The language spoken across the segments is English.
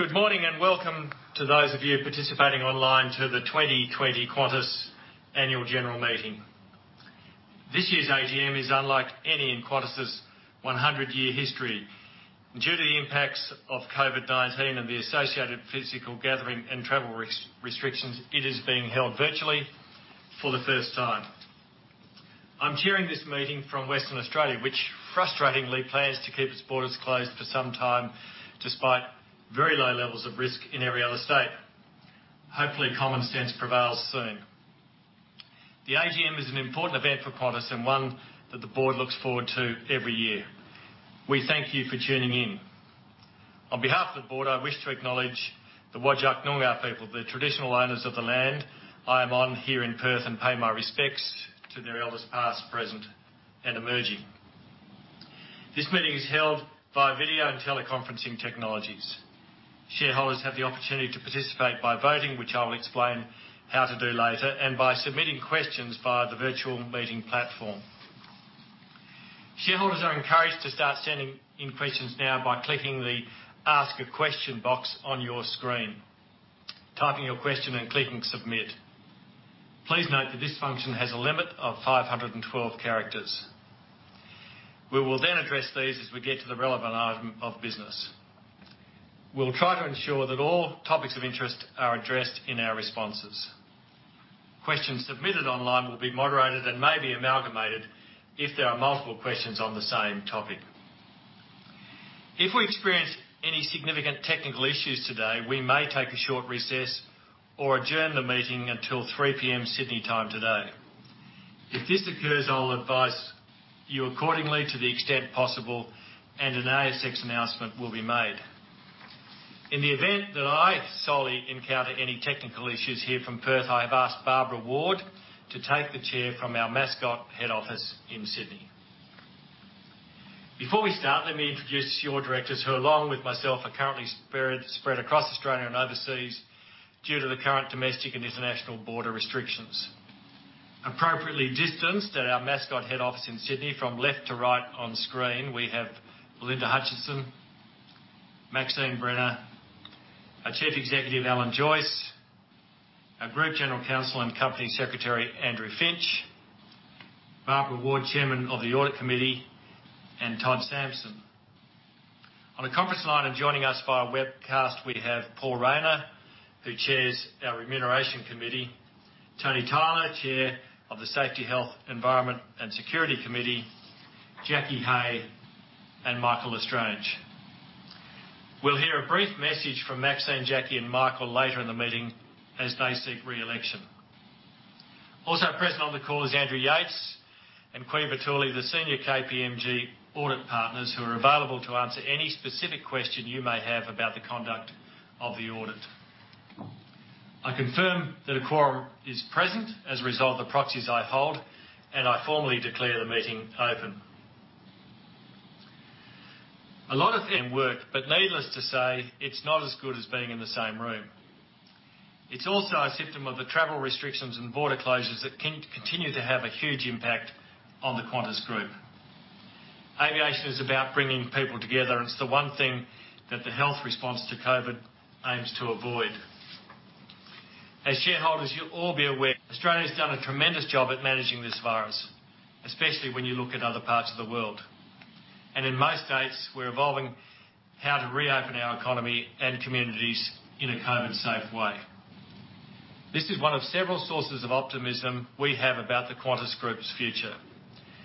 Good morning and welcome to those of you participating online to the 2020 Qantas Annual General Meeting. This year's AGM is unlike any in Qantas' 100-year history. Due to the impacts of COVID-19 and the associated physical gathering and travel restrictions, it is being held virtually for the first time. I'm chairing this meeting from Western Australia, which frustratingly plans to keep its borders closed for some time despite very low levels of risk in every other state. Hopefully, common sense prevails soon. The AGM is an important event for Qantas and one that the board looks forward to every year. We thank you for tuning in. On behalf of the board, I wish to acknowledge the Whadjuk Noongar people, the traditional owners of the land I am on here in Perth, and pay my respects to their elders past, present, and emerging. This meeting is held via video and teleconferencing technologies. Shareholders have the opportunity to participate by voting, which I will explain how to do later, and by submitting questions via the virtual meeting platform. Shareholders are encouraged to start sending in questions now by clicking the Ask a Question box on your screen, typing your question, and clicking Submit. Please note that this function has a limit of 512 characters. We will then address these as we get to the relevant item of business. We'll try to ensure that all topics of interest are addressed in our responses. Questions submitted online will be moderated and may be amalgamated if there are multiple questions on the same topic. If we experience any significant technical issues today, we may take a short recess or adjourn the meeting until 3:00 P.M. Sydney time today. If this occurs, I'll advise you accordingly to the extent possible, and an ASX announcement will be made. In the event that I solely encounter any technical issues here from Perth, I have asked Barbara Ward to take the chair from our Mascot head office in Sydney. Before we start, let me introduce your directors, who along with myself are currently spread across Australia and overseas due to the current domestic and international border restrictions. Appropriately distanced at our Mascot head office in Sydney from left to right on screen, we have Belinda Hutchinson, Maxine Brenner, our Chief Executive Alan Joyce, our Group General Counsel and Company Secretary Andrew Finch, Barbara Ward, Chairman of the Audit Committee, and Todd Sampson. On a conference line and joining us via webcast, we have Paul Rayner, who chairs our Remuneration Committee, Tony Tyler, Chair of the Safety, Health, Environment, and Security Committee, Jackie Hey, and Michael L'Estrange. We'll hear a brief message from Maxine, Jackie, and Michael later in the meeting as they seek re-election. Also present on the call is Andrew Yates and Caoimhe Toouli, the Senior KPMG Audit Partners, who are available to answer any specific question you may have about the conduct of the audit. I confirm that a quorum is present as a result of the proxies I hold, and I formally declare the meeting open. A lot of work, but needless to say, it's not as good as being in the same room. It's also a symptom of the travel restrictions and border closures that continue to have a huge impact on the Qantas Group. Aviation is about bringing people together, and it's the one thing that the health response to COVID aims to avoid. As shareholders, you'll all be aware, Australia has done a tremendous job at managing this virus, especially when you look at other parts of the world, and in most states, we're evolving how to reopen our economy and communities in a COVID-safe way. This is one of several sources of optimism we have about the Qantas Group's future,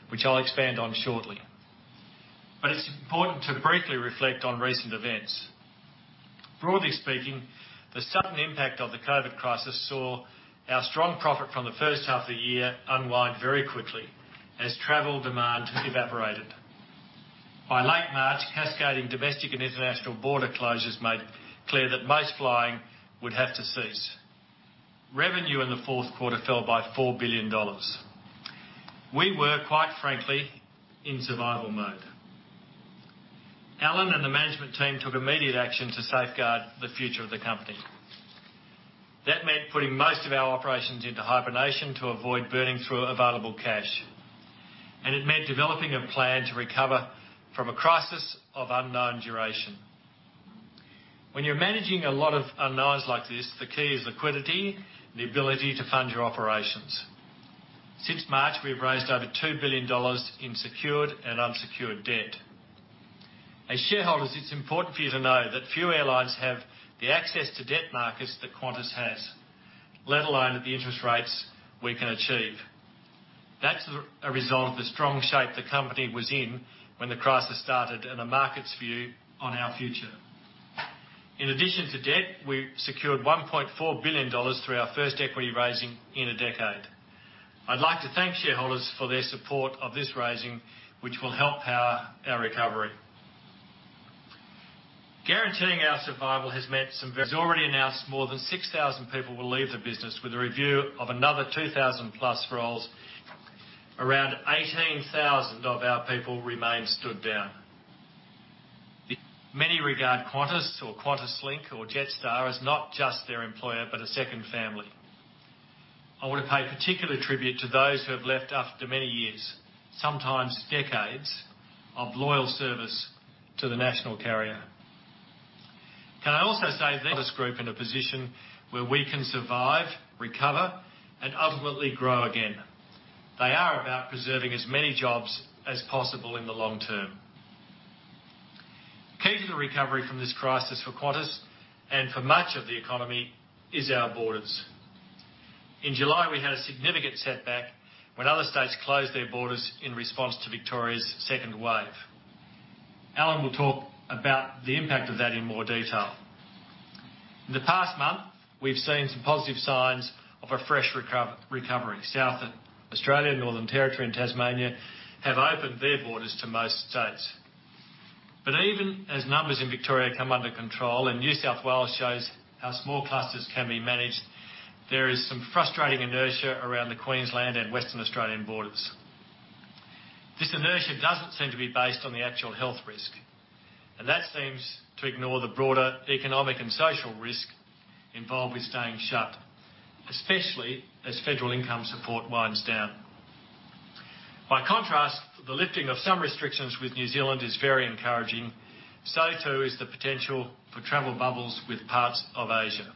which I'll expand on shortly, but it's important to briefly reflect on recent events. Broadly speaking, the sudden impact of the COVID crisis saw our strong profit from the first half of the year unwind very quickly as travel demand evaporated. By late March, cascading domestic and international border closures made clear that most flying would have to cease. Revenue in the fourth quarter fell by $4 billion. We were, quite frankly, in survival mode. Alan and the management team took immediate action to safeguard the future of the company. That meant putting most of our operations into hibernation to avoid burning through available cash. And it meant developing a plan to recover from a crisis of unknown duration. When you're managing a lot of unknowns like this, the key is liquidity and the ability to fund your operations. Since March, we've raised over$2 billion in secured and unsecured debt. As shareholders, it's important for you to know that few airlines have the access to debt markets that Qantas has, let alone at the interest rates we can achieve. That's a result of the strong shape the company was in when the crisis started and the market's view on our future. In addition to debt, we secured $1.4 billion through our first equity raising in a decade. I'd like to thank shareholders for their support of this raising, which will help power our recovery. Guaranteeing our survival has meant some. Has already announced more than 6,000 people will leave the business, with a review of another 2,000-plus roles. Around 18,000 of our people remain stood down. Many regard Qantas or QantasLink or Jetstar as not just their employer but a second family. I want to pay particular tribute to those who have left after many years, sometimes decades, of loyal service to the national carrier. Can I also say that the Qantas Group is in a position where we can survive, recover, and ultimately grow again. They are about preserving as many jobs as possible in the long term. Key to the recovery from this crisis for Qantas and for much of the economy is our borders. In July, we had a significant setback when other states closed their borders in response to Victoria's second wave. Alan will talk about the impact of that in more detail. In the past month, we've seen some positive signs of a fresh recovery. South Australia, Northern Territory, and Tasmania have opened their borders to most states. But even as numbers in Victoria come under control and New South Wales shows how small clusters can be managed, there is some frustrating inertia around the Queensland and Western Australian borders. This inertia doesn't seem to be based on the actual health risk, and that seems to ignore the broader economic and social risk involved with staying shut, especially as federal income support winds down. By contrast, the lifting of some restrictions with New Zealand is very encouraging. So too is the potential for travel bubbles with parts of Asia.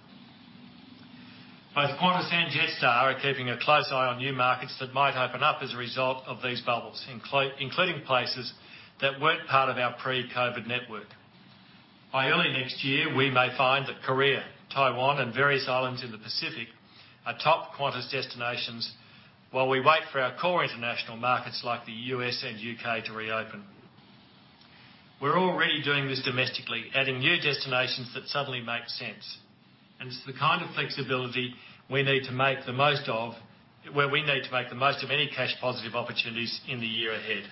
Both Qantas and Jetstar are keeping a close eye on new markets that might open up as a result of these bubbles, including places that weren't part of our pre-COVID network. By early next year, we may find that Korea, Taiwan, and various islands in the Pacific are top Qantas destinations while we wait for our core international markets like the U.S. and U.K. to reopen. We're already doing this domestically, adding new destinations that suddenly make sense, and it's the kind of flexibility we need to make the most of where we need to make the most of any cash-positive opportunities in the year ahead.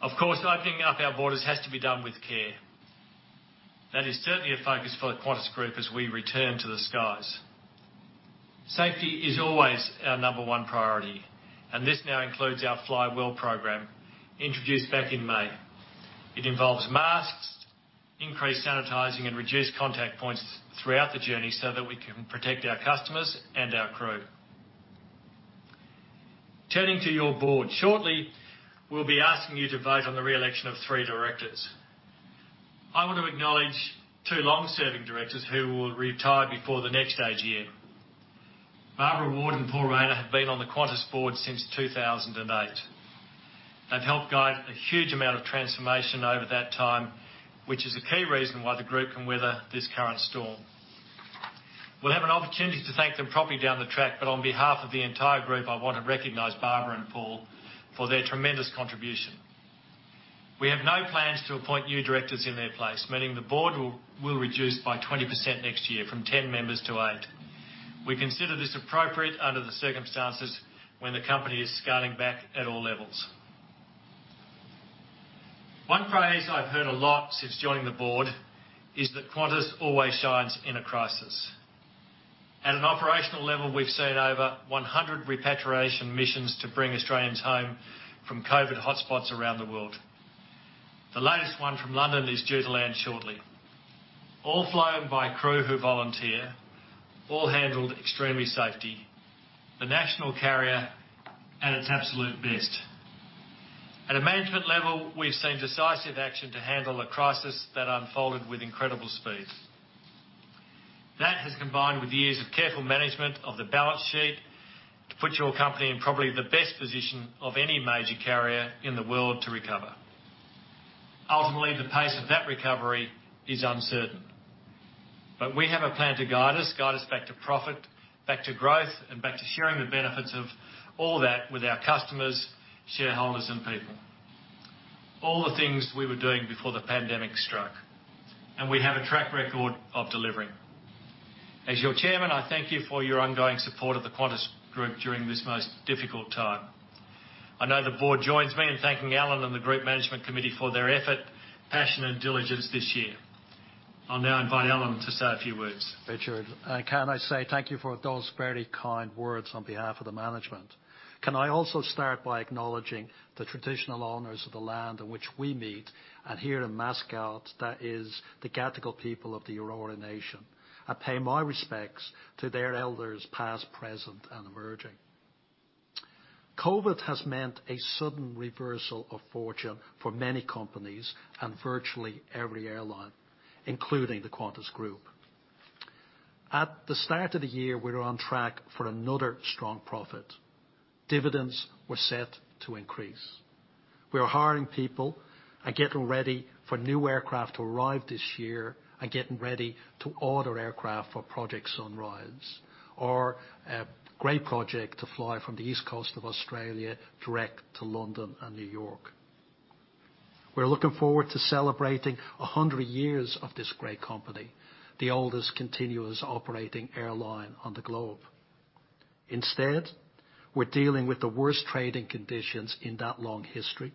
Of course, opening up our borders has to be done with care. That is certainly a focus for the Qantas Group as we return to the skies. Safety is always our number one priority, and this now includes our Fly Well program introduced back in May. It involves masks, increased sanitizing, and reduced contact points throughout the journey so that we can protect our customers and our crew. Turning to your board, shortly, we'll be asking you to vote on the re-election of three directors. I want to acknowledge two long-serving directors who will retire before the next AGM. Barbara Ward and Paul Rayner have been on the Qantas board since 2008. They've helped guide a huge amount of transformation over that time, which is a key reason why the group can weather this current storm. We'll have an opportunity to thank them properly down the track, but on behalf of the entire group, I want to recognize Barbara and Paul for their tremendous contribution. We have no plans to appoint new directors in their place, meaning the board will reduce by 20% next year from 10 members to eight. We consider this appropriate under the circumstances when the company is scaling back at all levels. One phrase I've heard a lot since joining the board is that Qantas always shines in a crisis. At an operational level, we've seen over 100 repatriation missions to bring Australians home from COVID hotspots around the world. The latest one from London is due to land shortly. All flown by crew who volunteer, all handled extremely safely, the national carrier at its absolute best. At a management level, we've seen decisive action to handle a crisis that unfolded with incredible speed. That has combined with years of careful management of the balance sheet to put your company in probably the best position of any major carrier in the world to recover. Ultimately, the pace of that recovery is uncertain. But we have a plan to guide us, guide us back to profit, back to growth, and back to sharing the benefits of all that with our customers, shareholders, and people. All the things we were doing before the pandemic struck, and we have a track record of delivering. As your Chairman, I thank you for your ongoing support of the Qantas Group during this most difficult time. I know the board joins me in thanking Alan and the Group Management Committee for their effort, passion, and diligence this year. I'll now invite Alan to say a few words. Richard, can I say thank you for those very kind words on behalf of the management? Can I also start by acknowledging the traditional owners of the land in which we meet and here in Mascot, that is, the Gadigal people of the Eora Nation? I pay my respects to their elders past, present, and emerging. COVID has meant a sudden reversal of fortune for many companies and virtually every airline, including the Qantas Group. At the start of the year, we were on track for another strong profit. Dividends were set to increase. We were hiring people and getting ready for new aircraft to arrive this year and getting ready to order aircraft for Project Sunrise, or a great project to fly from the east coast of Australia direct to London and New York. We're looking forward to celebrating 100 years of this great company, the oldest continuous operating airline on the globe. Instead, we're dealing with the worst trading conditions in that long history.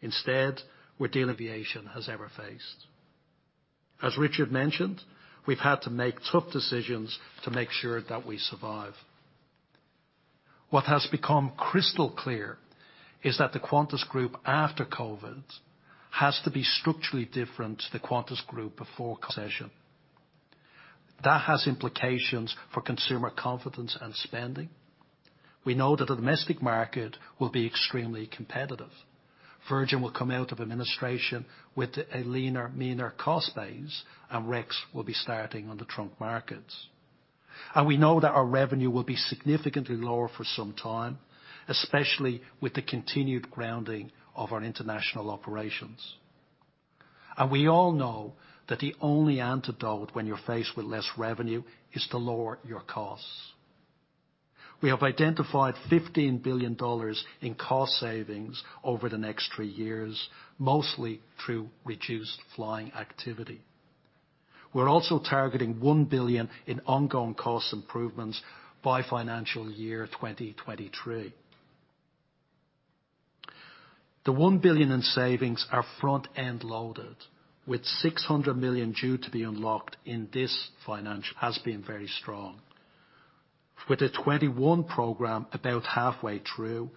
Instead, we're dealing with the aviation we have ever faced. As Richard mentioned, we've had to make tough decisions to make sure that we survive. What has become crystal clear is that the Qantas Group after COVID has to be structurally different to the Qantas Group before recession. That has implications for consumer confidence and spending. We know that the domestic market will be extremely competitive. Virgin will come out of administration with a leaner, meaner cost base, and Rex will be starting on the trunk markets, and we know that our revenue will be significantly lower for some time, especially with the continued grounding of our international operations. And we all know that the only antidote when you're faced with less revenue is to lower your costs. We have identified $15 billion in cost savings over the next three years, mostly through reduced flying activity. We're also targeting $1 billion in ongoing cost improvements by financial year 2023. The $1 billion in savings are front-end loaded, with $600 million due to be unlocked in this financial. Has been very strong, with the A321 program about halfway through.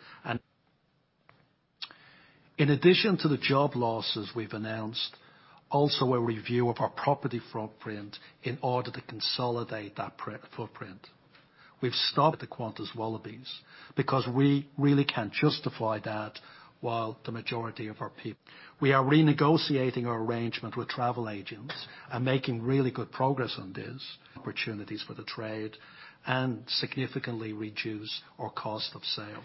In addition to the job losses we've announced, also a review of our property footprint in order to consolidate that footprint. We've stopped the Qantas Wallabies because we really can't justify that while the majority of our people. We are renegotiating our arrangement with travel agents and making really good progress on this. Opportunities for the trade and significantly reduce our cost of sale.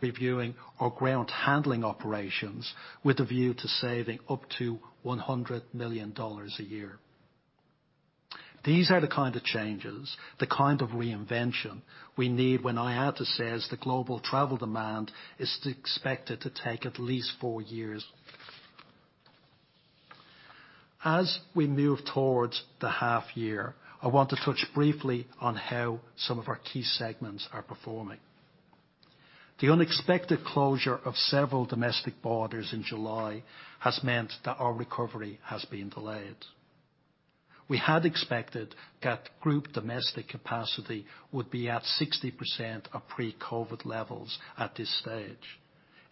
Reviewing our ground handling operations with a view to saving up to $100 million a year. These are the kind of changes, the kind of reinvention we need when I had to say as the global travel demand is expected to take at least four years. As we move towards the half year, I want to touch briefly on how some of our key segments are performing. The unexpected closure of several domestic borders in July has meant that our recovery has been delayed. We had expected that group domestic capacity would be at 60% of pre-COVID levels at this stage.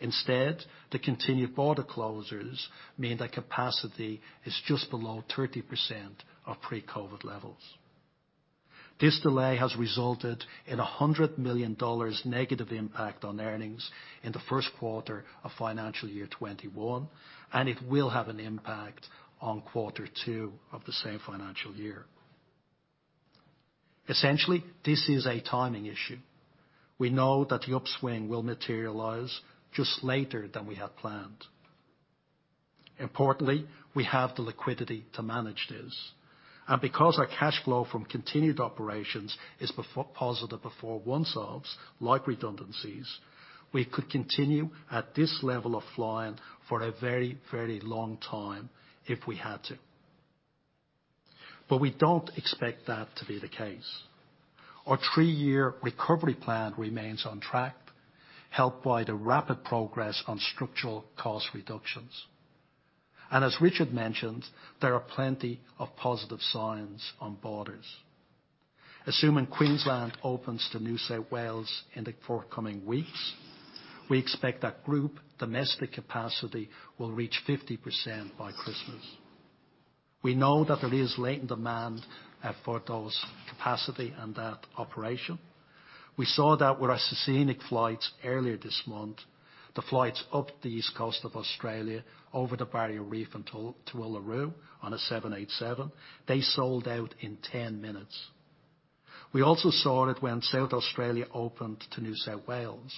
Instead, the continued border closures mean that capacity is just below 30% of pre-COVID levels. This delay has resulted in a $100 million negative impact on earnings in the first quarter of financial year 2021, and it will have an impact on quarter two of the same financial year. Essentially, this is a timing issue. We know that the upswing will materialize just later than we had planned. Importantly, we have the liquidity to manage this, and because our cash flow from continued operations is positive before one-offs like redundancies, we could continue at this level of flying for a very, very long time if we had to, but we don't expect that to be the case. Our three-year recovery plan remains on track, helped by the rapid progress on structural cost reductions, and as Richard mentioned, there are plenty of positive signs on borders. Assuming Queensland opens to New South Wales in the forthcoming weeks, we expect that group domestic capacity will reach 50% by Christmas. We know that there is latent demand for those capacity and that operation. We saw that with our scenic flights earlier this month, the flights up the east coast of Australia over the Barrier Reef and to Uluru on a 787. They sold out in 10 minutes. We also saw it when South Australia opened to New South Wales,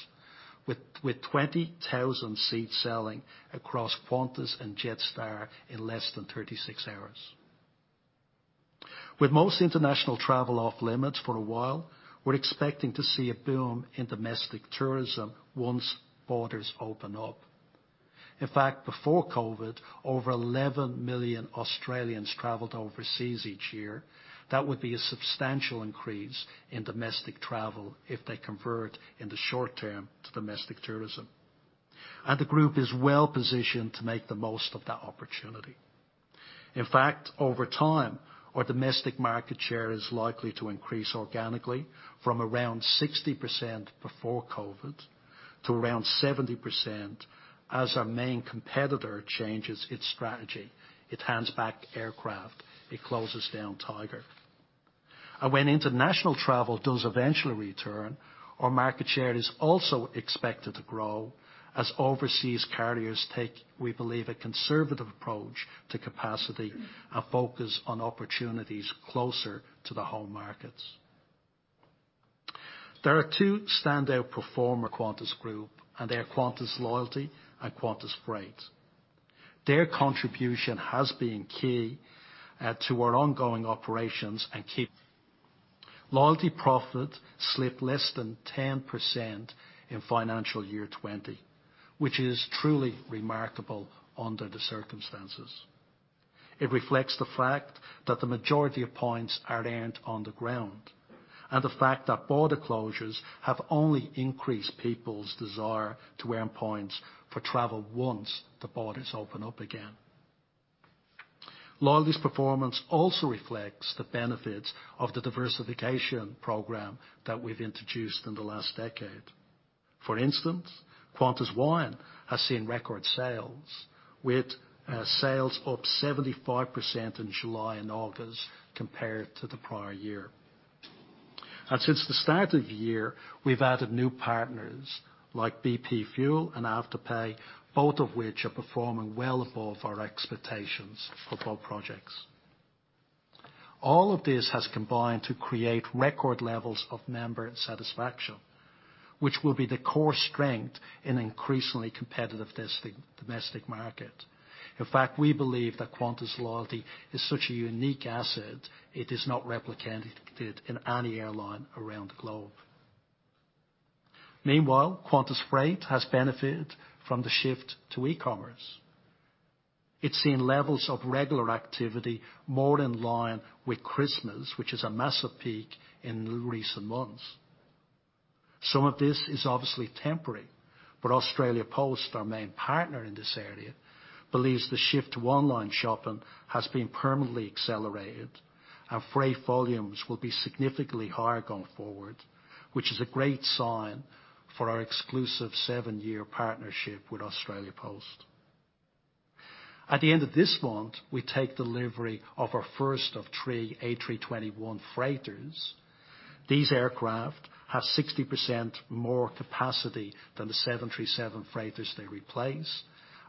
with 20,000 seats selling across Qantas and Jetstar in less than 36 hours. With most international travel off limits for a while, we're expecting to see a boom in domestic tourism once borders open up. In fact, before COVID, over 11 million Australians traveled overseas each year. That would be a substantial increase in domestic travel if they convert in the short term to domestic tourism, and the group is well positioned to make the most of that opportunity. In fact, over time, our domestic market share is likely to increase organically from around 60% before COVID to around 70% as our main competitor changes its strategy. It hands back aircraft. It closes down Tigerair. And when international travel does eventually return, our market share is also expected to grow as overseas carriers take, we believe, a conservative approach to capacity and focus on opportunities closer to the home markets. There are two standout performers in the Qantas Group, and they are Qantas Loyalty and Qantas Freight. Their contribution has been key to our ongoing operations and Qantas Loyalty profit slipped less than 10% in financial year 2020, which is truly remarkable under the circumstances. It reflects the fact that the majority of points are earned on the ground and the fact that border closures have only increased people's desire to earn points for travel once the borders open up again. Loyalty's performance also reflects the benefits of the diversification program that we've introduced in the last decade. For instance, Qantas Wine has seen record sales, with sales up 75% in July and August compared to the prior year. And since the start of the year, we've added new partners like BP Fuel and Afterpay, both of which are performing well above our expectations for both projects. All of this has combined to create record levels of member satisfaction, which will be the core strength in increasingly competitive domestic market. In fact, we believe that Qantas Loyalty is such a unique asset, it is not replicated in any airline around the globe. Meanwhile, Qantas Freight has benefited from the shift to e-commerce. It's seen levels of regular activity more in line with Christmas, which is a massive peak in recent months. Some of this is obviously temporary, but Australia Post, our main partner in this area, believes the shift to online shopping has been permanently accelerated and freight volumes will be significantly higher going forward, which is a great sign for our exclusive seven-year partnership with Australia Post. At the end of this month, we take delivery of our first of three A321 freighters. These aircraft have 60% more capacity than the 737 freighters they replace,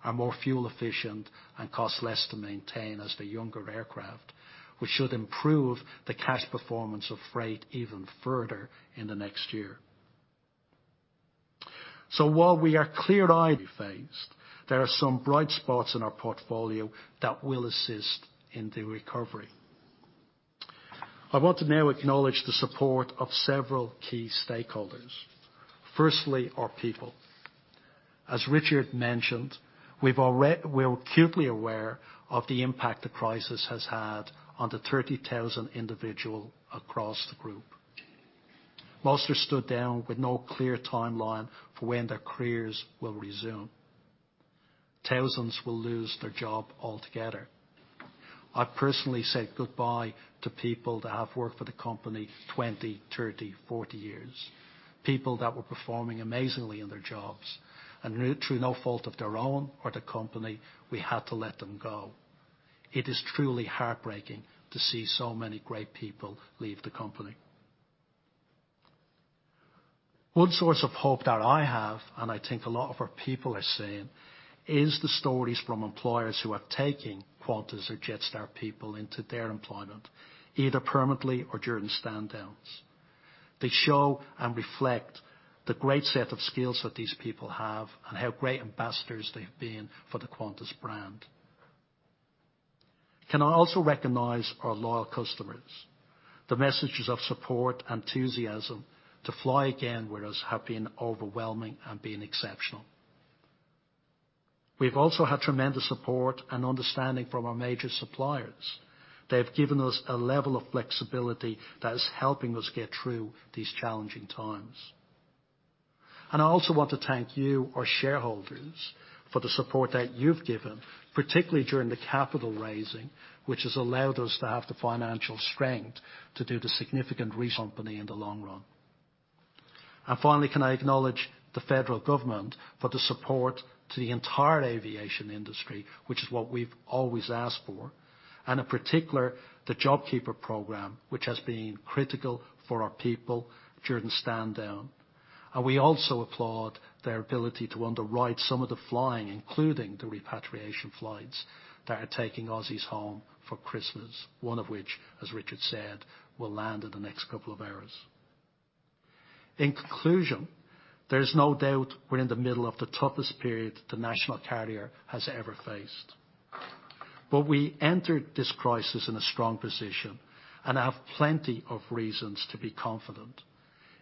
are more fuel efficient, and cost less to maintain as the younger aircraft, which should improve the cash performance of freight even further in the next year. While we are clearly faced, there are some bright spots in our portfolio that will assist in the recovery. I want to now acknowledge the support of several key stakeholders. Firstly, our people. As Richard mentioned, we're acutely aware of the impact the crisis has had on the 30,000 individuals across the group. Most are stood down with no clear timeline for when their careers will resume. Thousands will lose their job altogether. I've personally said goodbye to people that have worked for the company 20, 30, 40 years, people that were performing amazingly in their jobs. And truly, no fault of their own or the company, we had to let them go. It is truly heartbreaking to see so many great people leave the company. One source of hope that I have, and I think a lot of our people are seeing, is the stories from employers who are taking Qantas or Jetstar people into their employment, either permanently or during stand-downs. They show and reflect the great set of skills that these people have and how great ambassadors they have been for the Qantas brand. Can I also recognize our loyal customers? The messages of support and enthusiasm to fly again with us have been overwhelming and been exceptional. We've also had tremendous support and understanding from our major suppliers. They've given us a level of flexibility that is helping us get through these challenging times, and I also want to thank you, our shareholders, for the support that you've given, particularly during the capital raising, which has allowed us to have the financial strength to do the significant company in the long run. And finally, can I acknowledge the federal government for the support to the entire aviation industry, which is what we've always asked for, and in particular, the JobKeeper program, which has been critical for our people during stand-down. And we also applaud their ability to underwrite some of the flying, including the repatriation flights that are taking Aussies home for Christmas, one of which, as Richard said, will land in the next couple of hours. In conclusion, there is no doubt we're in the middle of the toughest period the national carrier has ever faced. But we entered this crisis in a strong position and have plenty of reasons to be confident,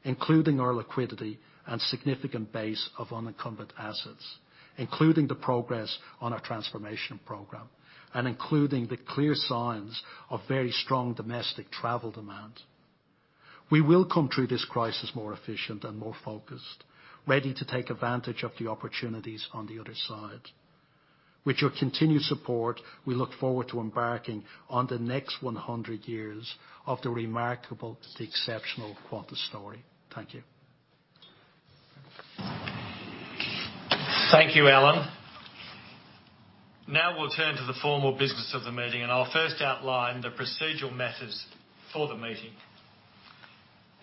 including our liquidity and significant base of unencumbered assets, including the progress on our transformation program, and including the clear signs of very strong domestic travel demand. We will come through this crisis more efficient and more focused, ready to take advantage of the opportunities on the other side. With your continued support, we look forward to embarking on the next 100 years of the remarkable, the exceptional Qantas story. Thank you. Thank you, Alan. Now we'll turn to the formal business of the meeting, and I'll first outline the procedural matters for the meeting.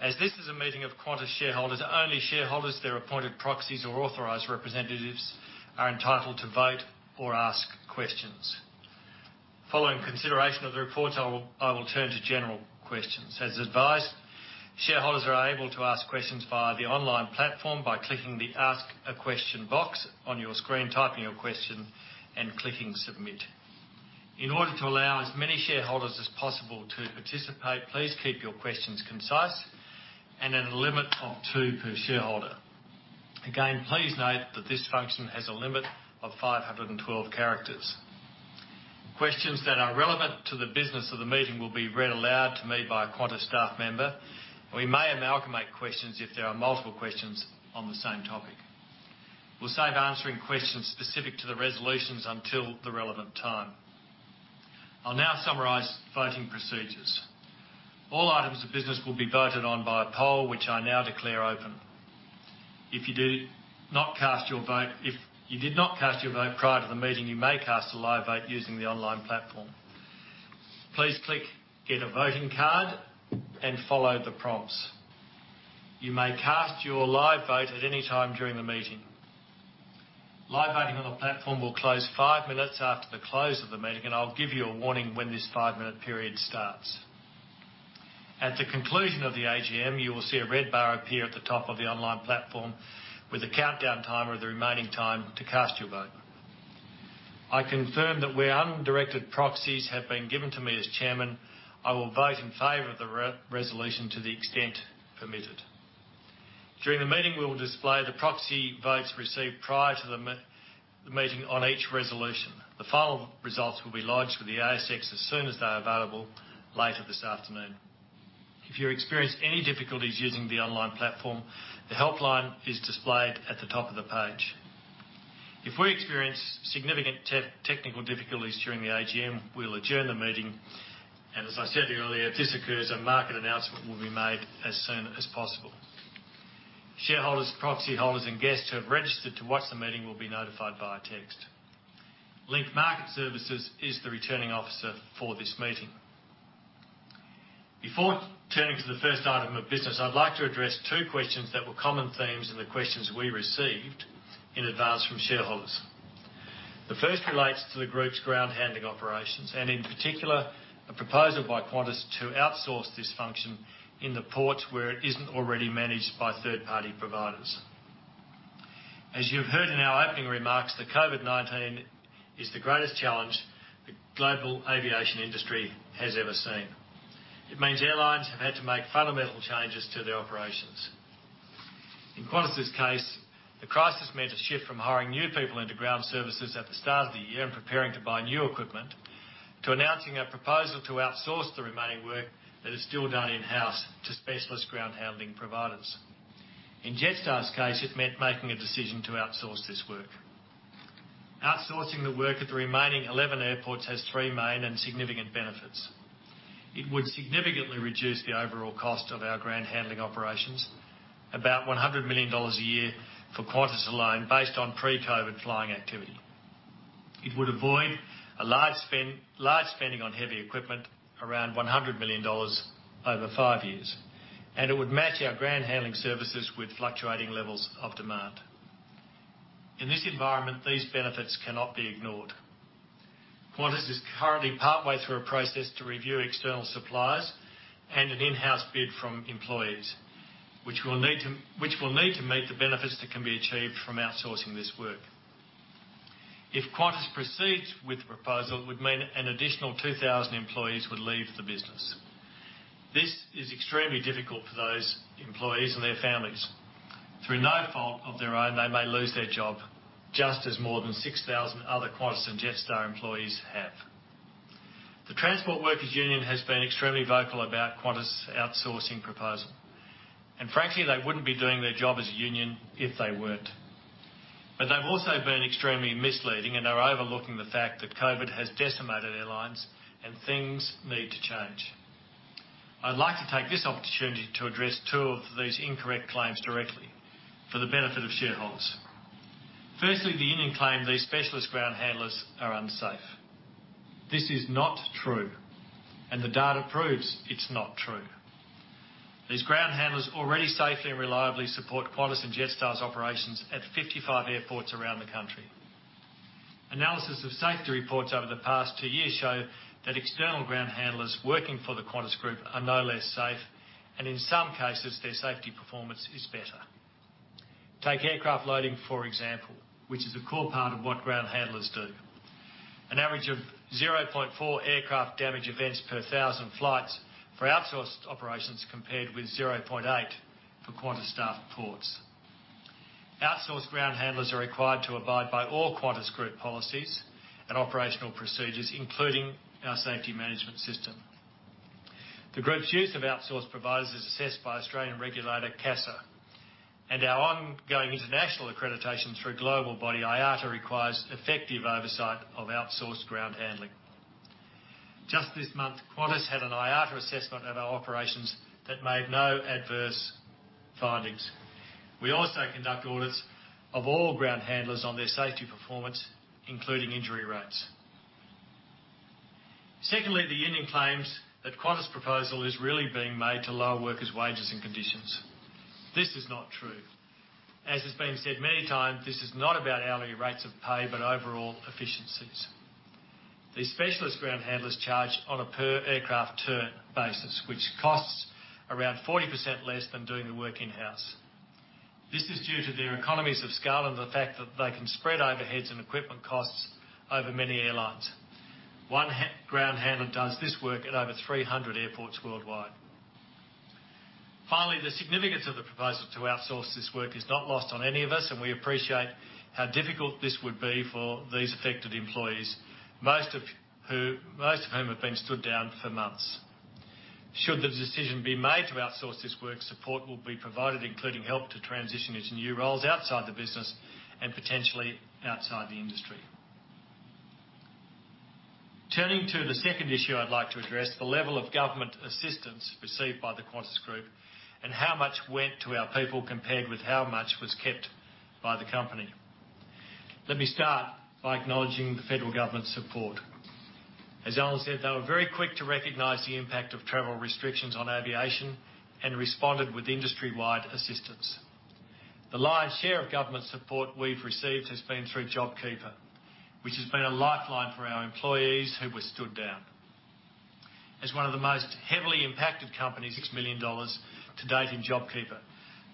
As this is a meeting of Qantas shareholders, only shareholders, their appointed proxies, or authorized representatives are entitled to vote or ask questions. Following consideration of the report, I will turn to general questions. As advised, shareholders are able to ask questions via the online platform by clicking the Ask a Question box on your screen, typing your question, and clicking Submit. In order to allow as many shareholders as possible to participate, please keep your questions concise and in a limit of two per shareholder. Again, please note that this function has a limit of 512 characters. Questions that are relevant to the business of the meeting will be read aloud to me by a Qantas staff member. We may amalgamate questions if there are multiple questions on the same topic. We'll save answering questions specific to the resolutions until the relevant time. I'll now summarize voting procedures. All items of business will be voted on by a poll, which I now declare open. If you did not cast your vote prior to the meeting, you may cast a live vote using the online platform. Please click Get a Voting Card and follow the prompts. You may cast your live vote at any time during the meeting. Live voting on the platform will close five minutes after the close of the meeting, and I'll give you a warning when this five-minute period starts. At the conclusion of the AGM, you will see a red bar appear at the top of the online platform with a countdown timer of the remaining time to cast your vote. I confirm that where undirected proxies have been given to me as chairman, I will vote in favor of the resolution to the extent permitted. During the meeting, we will display the proxy votes received prior to the meeting on each resolution. The final results will be lodged with the ASX as soon as they're available later this afternoon. If you experience any difficulties using the online platform, the helpline is displayed at the top of the page. If we experience significant technical difficulties during the AGM, we'll adjourn the meeting, and as I said earlier, if this occurs, a market announcement will be made as soon as possible. Shareholders, proxy holders, and guests who have registered to watch the meeting will be notified by text. Link Market Services is the returning officer for this meeting. Before turning to the first item of business, I'd like to address two questions that were common themes in the questions we received in advance from shareholders. The first relates to the group's ground handling operations and, in particular, a proposal by Qantas to outsource this function in the ports where it isn't already managed by third-party providers. As you've heard in our opening remarks, the COVID-19 is the greatest challenge the global aviation industry has ever seen. It means airlines have had to make fundamental changes to their operations. In Qantas's case, the crisis meant a shift from hiring new people into ground services at the start of the year and preparing to buy new equipment to announcing a proposal to outsource the remaining work that is still done in-house to specialist ground handling providers. In Jetstar's case, it meant making a decision to outsource this work. Outsourcing the work at the remaining 11 airports has three main and significant benefits. It would significantly reduce the overall cost of our ground handling operations, about $100 million a year for Qantas alone, based on pre-COVID flying activity. It would avoid a large spending on heavy equipment, around $100 million over five years, and it would match our ground handling services with fluctuating levels of demand. In this environment, these benefits cannot be ignored. Qantas is currently partway through a process to review external suppliers and an in-house bid from employees, which will need to meet the benefits that can be achieved from outsourcing this work. If Qantas proceeds with the proposal, it would mean an additional 2,000 employees would leave the business. This is extremely difficult for those employees and their families. Through no fault of their own, they may lose their job, just as more than 6,000 other Qantas and Jetstar employees have. The Transport Workers Union has been extremely vocal about Qantas' outsourcing proposal, and frankly, they wouldn't be doing their job as a union if they weren't, but they've also been extremely misleading, and they're overlooking the fact that COVID has decimated airlines, and things need to change. I'd like to take this opportunity to address two of these incorrect claims directly for the benefit of shareholders. Firstly, the union claimed these specialist ground handlers are unsafe. This is not true, and the data proves it's not true. These ground handlers already safely and reliably support Qantas and Jetstar's operations at 55 airports around the country. Analysis of safety reports over the past two years show that external ground handlers working for the Qantas Group are no less safe, and in some cases, their safety performance is better. Take aircraft loading, for example, which is a core part of what ground handlers do. An average of 0.4 aircraft damage events per 1,000 flights for outsourced operations compared with 0.8 for Qantas staff ports. Outsourced ground handlers are required to abide by all Qantas Group policies and operational procedures, including our safety management system. The group's use of outsourced providers is assessed by Australian regulator CASA, and our ongoing international accreditation through a global body, IATA, requires effective oversight of outsourced ground handling. Just this month, Qantas had an IATA assessment of our operations that made no adverse findings. We also conduct audits of all ground handlers on their safety performance, including injury rates. Secondly, the union claims that Qantas' proposal is really being made to lower workers' wages and conditions. This is not true. As has been said many times, this is not about hourly rates of pay, but overall efficiencies. These specialist ground handlers charge on a per-aircraft turn basis, which costs around 40% less than doing the work in-house. This is due to their economies of scale and the fact that they can spread overheads and equipment costs over many airlines. One ground handler does this work at over 300 airports worldwide. Finally, the significance of the proposal to outsource this work is not lost on any of us, and we appreciate how difficult this would be for these affected employees, most of whom have been stood down for months. Should the decision be made to outsource this work, support will be provided, including help to transition into new roles outside the business and potentially outside the industry. Turning to the second issue I'd like to address, the level of government assistance received by the Qantas Group and how much went to our people compared with how much was kept by the company. Let me start by acknowledging the federal government's support. As Alan said, they were very quick to recognize the impact of travel restrictions on aviation and responded with industry-wide assistance. The lion's share of government support we've received has been through JobKeeper, which has been a lifeline for our employees who were stood down. As one of the most heavily impacted companies, $6 million to date in JobKeeper,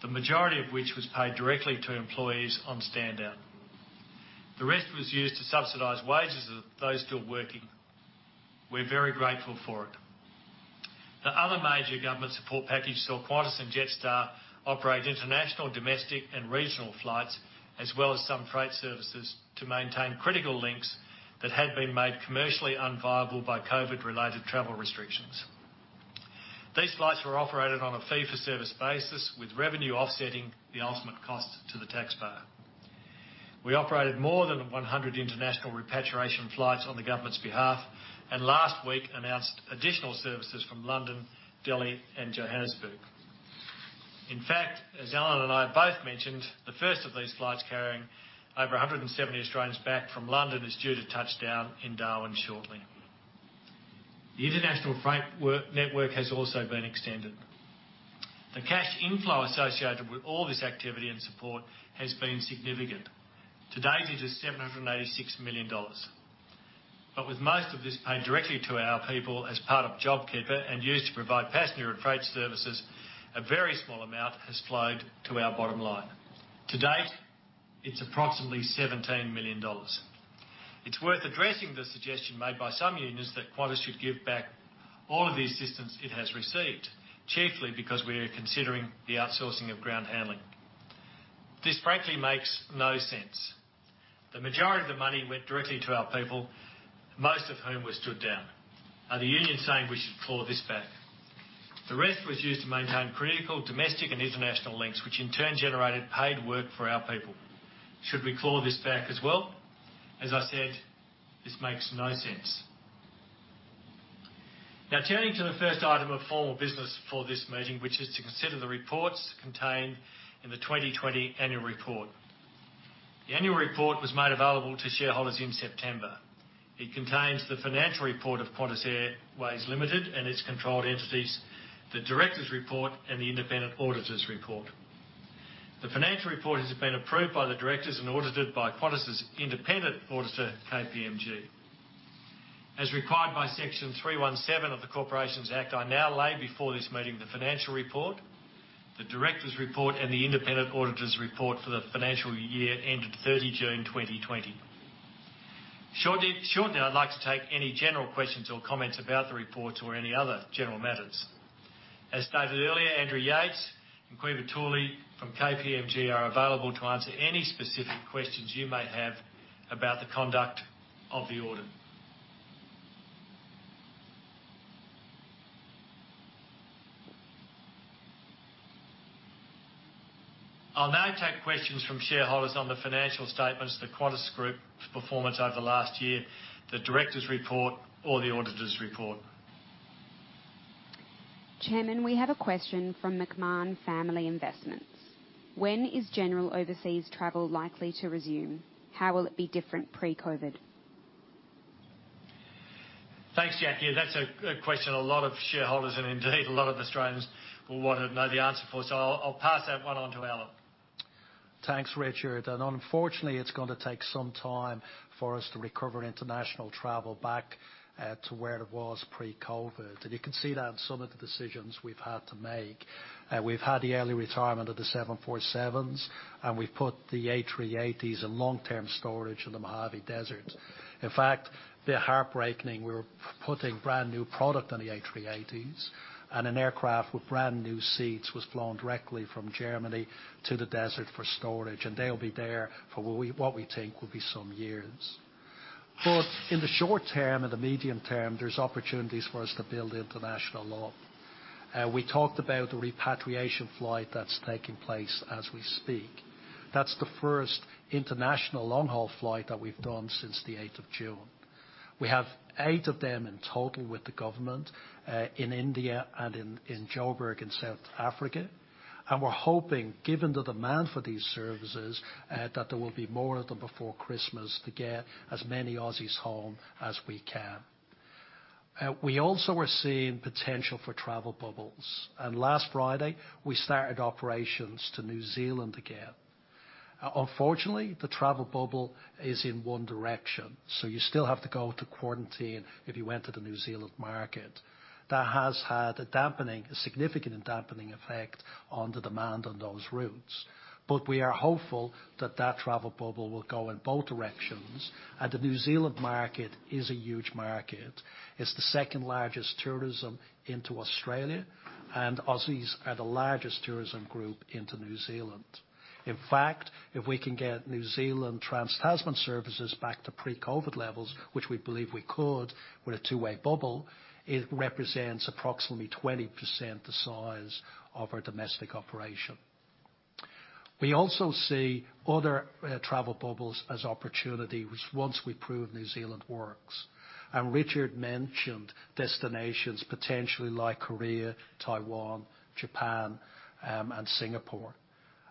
the majority of which was paid directly to employees on stand-down. The rest was used to subsidize wages of those still working. We're very grateful for it. The other major government support package saw Qantas and Jetstar operate international, domestic, and regional flights, as well as some freight services, to maintain critical links that had been made commercially unviable by COVID-related travel restrictions. These flights were operated on a fee-for-service basis, with revenue offsetting the ultimate cost to the taxpayer. We operated more than 100 international repatriation flights on the government's behalf and last week announced additional services from London, Delhi, and Johannesburg. In fact, as Alan and I have both mentioned, the first of these flights carrying over 170 Australians back from London is due to touch down in Darwin shortly. The international freight network has also been extended. The cash inflow associated with all this activity and support has been significant. To date, it is $786 million. But with most of this paid directly to our people as part of JobKeeper and used to provide passenger and freight services, a very small amount has flowed to our bottom line. To date, it's approximately $17 million. It's worth addressing the suggestion made by some unions that Qantas should give back all of the assistance it has received, chiefly because we are considering the outsourcing of ground handling. This frankly makes no sense. The majority of the money went directly to our people, most of whom were stood down. Are the unions saying we should claw this back? The rest was used to maintain critical domestic and international links, which in turn generated paid work for our people. Should we claw this back as well? As I said, this makes no sense. Now turning to the first item of formal business for this meeting, which is to consider the reports contained in the 2020 annual report. The annual report was made available to shareholders in September. It contains the financial report of Qantas Airways Limited and its controlled entities, the director's report, and the independent auditor's report. The financial report has been approved by the directors and audited by Qantas's independent auditor, KPMG. As required by Section 317 of the Corporations Act, I now lay before this meeting the financial report, the director's report, and the independent auditor's report for the financial year ended 30th June 2020. Shortly, I'd like to take any general questions or comments about the reports or any other general matters. As stated earlier, Andrew Yates and Caoimhe Toouli from KPMG are available to answer any specific questions you may have about the conduct of the audit. I'll now take questions from shareholders on the financial statements, the Qantas Group performance over the last year, the director's report, or the auditor's report. Chairman, we have a question from McMahon Family Investments. When is general overseas travel likely to resume? How will it be different pre-COVID? Thanks, Jack. Yeah, that's a question a lot of shareholders and indeed a lot of Australians will want to know the answer for, so I'll pass that one on to Alan. Thanks, Richard. And unfortunately, it's going to take some time for us to recover international travel back to where it was pre-COVID. And you can see that in some of the decisions we've had to make. We've had the early retirement of the 747s, and we've put the A380s in long-term storage in the Mojave Desert. In fact, they're heartbreaking. We're putting brand new product on the A380s, and an aircraft with brand new seats was flown directly from Germany to the desert for storage, and they'll be there for what we think will be some years. But in the short term and the medium term, there's opportunities for us to build international load. We talked about the repatriation flight that's taking place as we speak. That's the first international long-haul flight that we've done since the 8th of June. We have eight of them in total with the government in India and in Johannesburg in South Africa. And we're hoping, given the demand for these services, that there will be more of them before Christmas to get as many Aussies home as we can. We also are seeing potential for travel bubbles. And last Friday, we started operations to New Zealand again. Unfortunately, the travel bubble is in one direction, so you still have to go to quarantine if you went to the New Zealand market. That has had a significant dampening effect on the demand on those routes. But we are hopeful that that travel bubble will go in both directions. And the New Zealand market is a huge market. It's the second largest tourism into Australia, and Aussies are the largest tourism group into New Zealand. In fact, if we can get New Zealand Trans-Tasman services back to pre-COVID levels, which we believe we could with a two-way bubble, it represents approximately 20% the size of our domestic operation. We also see other travel bubbles as opportunities once we prove New Zealand works. Richard mentioned destinations potentially like Korea, Taiwan, Japan, and Singapore.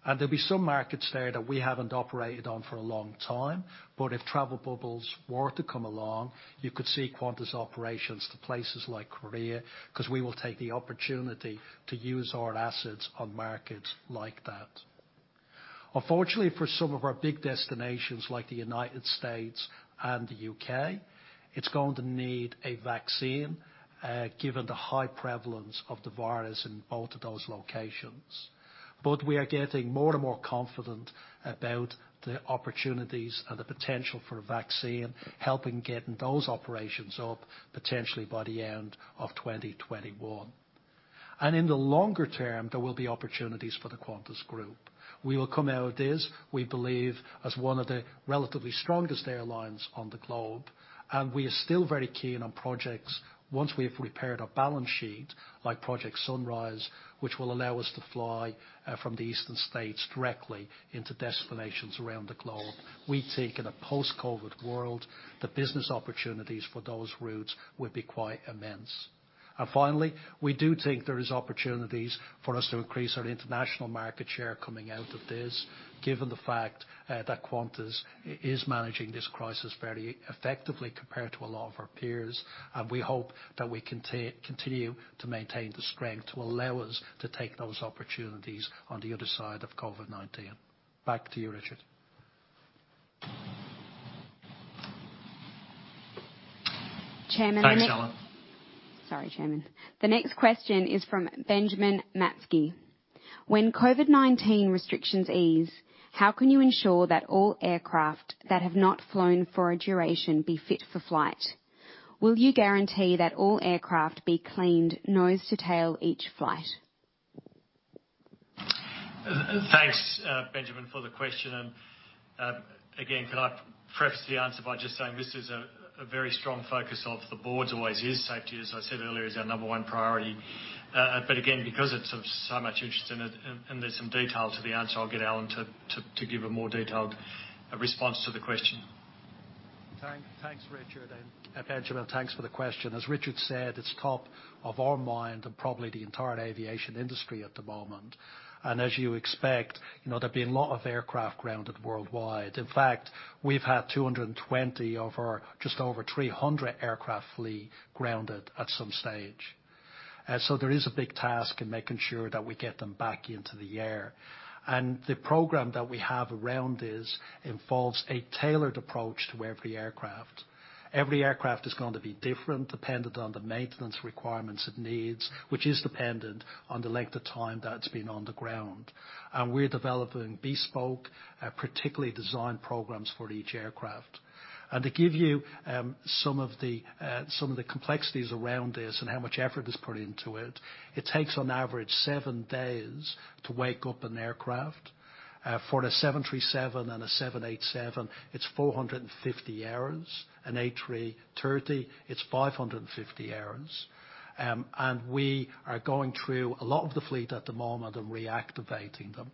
There'll be some markets there that we haven't operated on for a long time, but if travel bubbles were to come along, you could see Qantas operations to places like Korea because we will take the opportunity to use our assets on markets like that. Unfortunately, for some of our big destinations like the United States and the U.K., it's going to need a vaccine given the high prevalence of the virus in both of those locations. But we are getting more and more confident about the opportunities and the potential for a vaccine helping get those operations up potentially by the end of 2021. And in the longer term, there will be opportunities for the Qantas Group. We will come out of this, we believe, as one of the relatively strongest airlines on the globe. And we are still very keen on projects once we have repaired our balance sheet, like Project Sunrise, which will allow us to fly from the eastern states directly into destinations around the globe. We think in a post-COVID world, the business opportunities for those routes would be quite immense. And finally, we do think there are opportunities for us to increase our international market share coming out of this, given the fact that Qantas is managing this crisis very effectively compared to a lot of our peers. And we hope that we continue to maintain the strength to allow us to take those opportunities on the other side of COVID-19. Back to you, Richard. Chairman, the next. Thanks, Alan. Sorry, Chairman. The next question is from Benjamin Matzke. When COVID-19 restrictions ease, how can you ensure that all aircraft that have not flown for a duration be fit for flight? Will you guarantee that all aircraft be cleaned nose to tail each flight? Thanks, Benjamin, for the question. And again, can I preface the answer by just saying this is a very strong focus of the board's always is. Safety, as I said earlier, is our number one priority. But again, because it's of so much interest and there's some detail to the answer, I'll get Alan to give a more detailed response to the question. Thanks, Richard. And Benjamin, thanks for the question. As Richard said, it's top of our mind and probably the entire aviation industry at the moment. And as you expect, there'll be a lot of aircraft grounded worldwide. In fact, we've had 220 of our just over 300 aircraft fleet grounded at some stage. And so there is a big task in making sure that we get them back into the air. And the program that we have around this involves a tailored approach to every aircraft. Every aircraft is going to be different dependent on the maintenance requirements it needs, which is dependent on the length of time that it's been on the ground. And we're developing bespoke, particularly designed programs for each aircraft. And to give you some of the complexities around this and how much effort is put into it, it takes on average seven days to wake up an aircraft. For a 737 and a 787, it's 450 hours. An A330, it's 550 hours, and we are going through a lot of the fleet at the moment and reactivating them.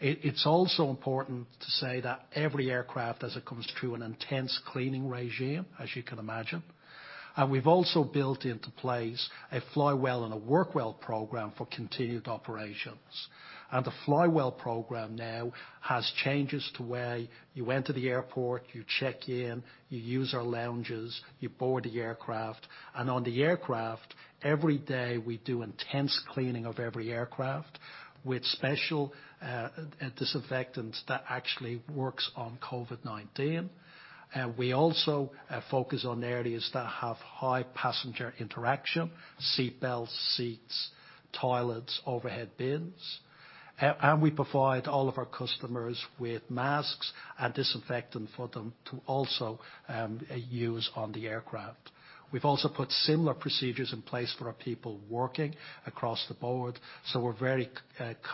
It's also important to say that every aircraft has to come through an intense cleaning regime, as you can imagine, and we've also built into place a Fly Well and a Work Well program for continued operations. The Fly Well program now has changes to where you enter the airport, you check in, you use our lounges, you board the aircraft, and on the aircraft, every day we do intense cleaning of every aircraft with special disinfectants that actually work on COVID-19. We also focus on areas that have high passenger interaction: seatbelts, seats, toilets, overhead bins, and we provide all of our customers with masks and disinfectant for them to also use on the aircraft. We've also put similar procedures in place for our people working across the board, so we're very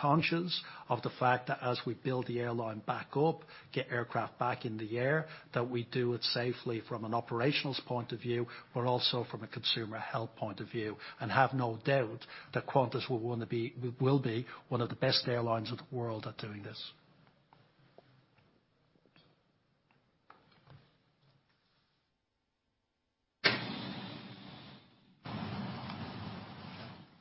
conscious of the fact that as we build the airline back up, get aircraft back in the air, that we do it safely from an operational point of view, but also from a consumer health point of view, and have no doubt that Qantas will be one of the best airlines in the world at doing this.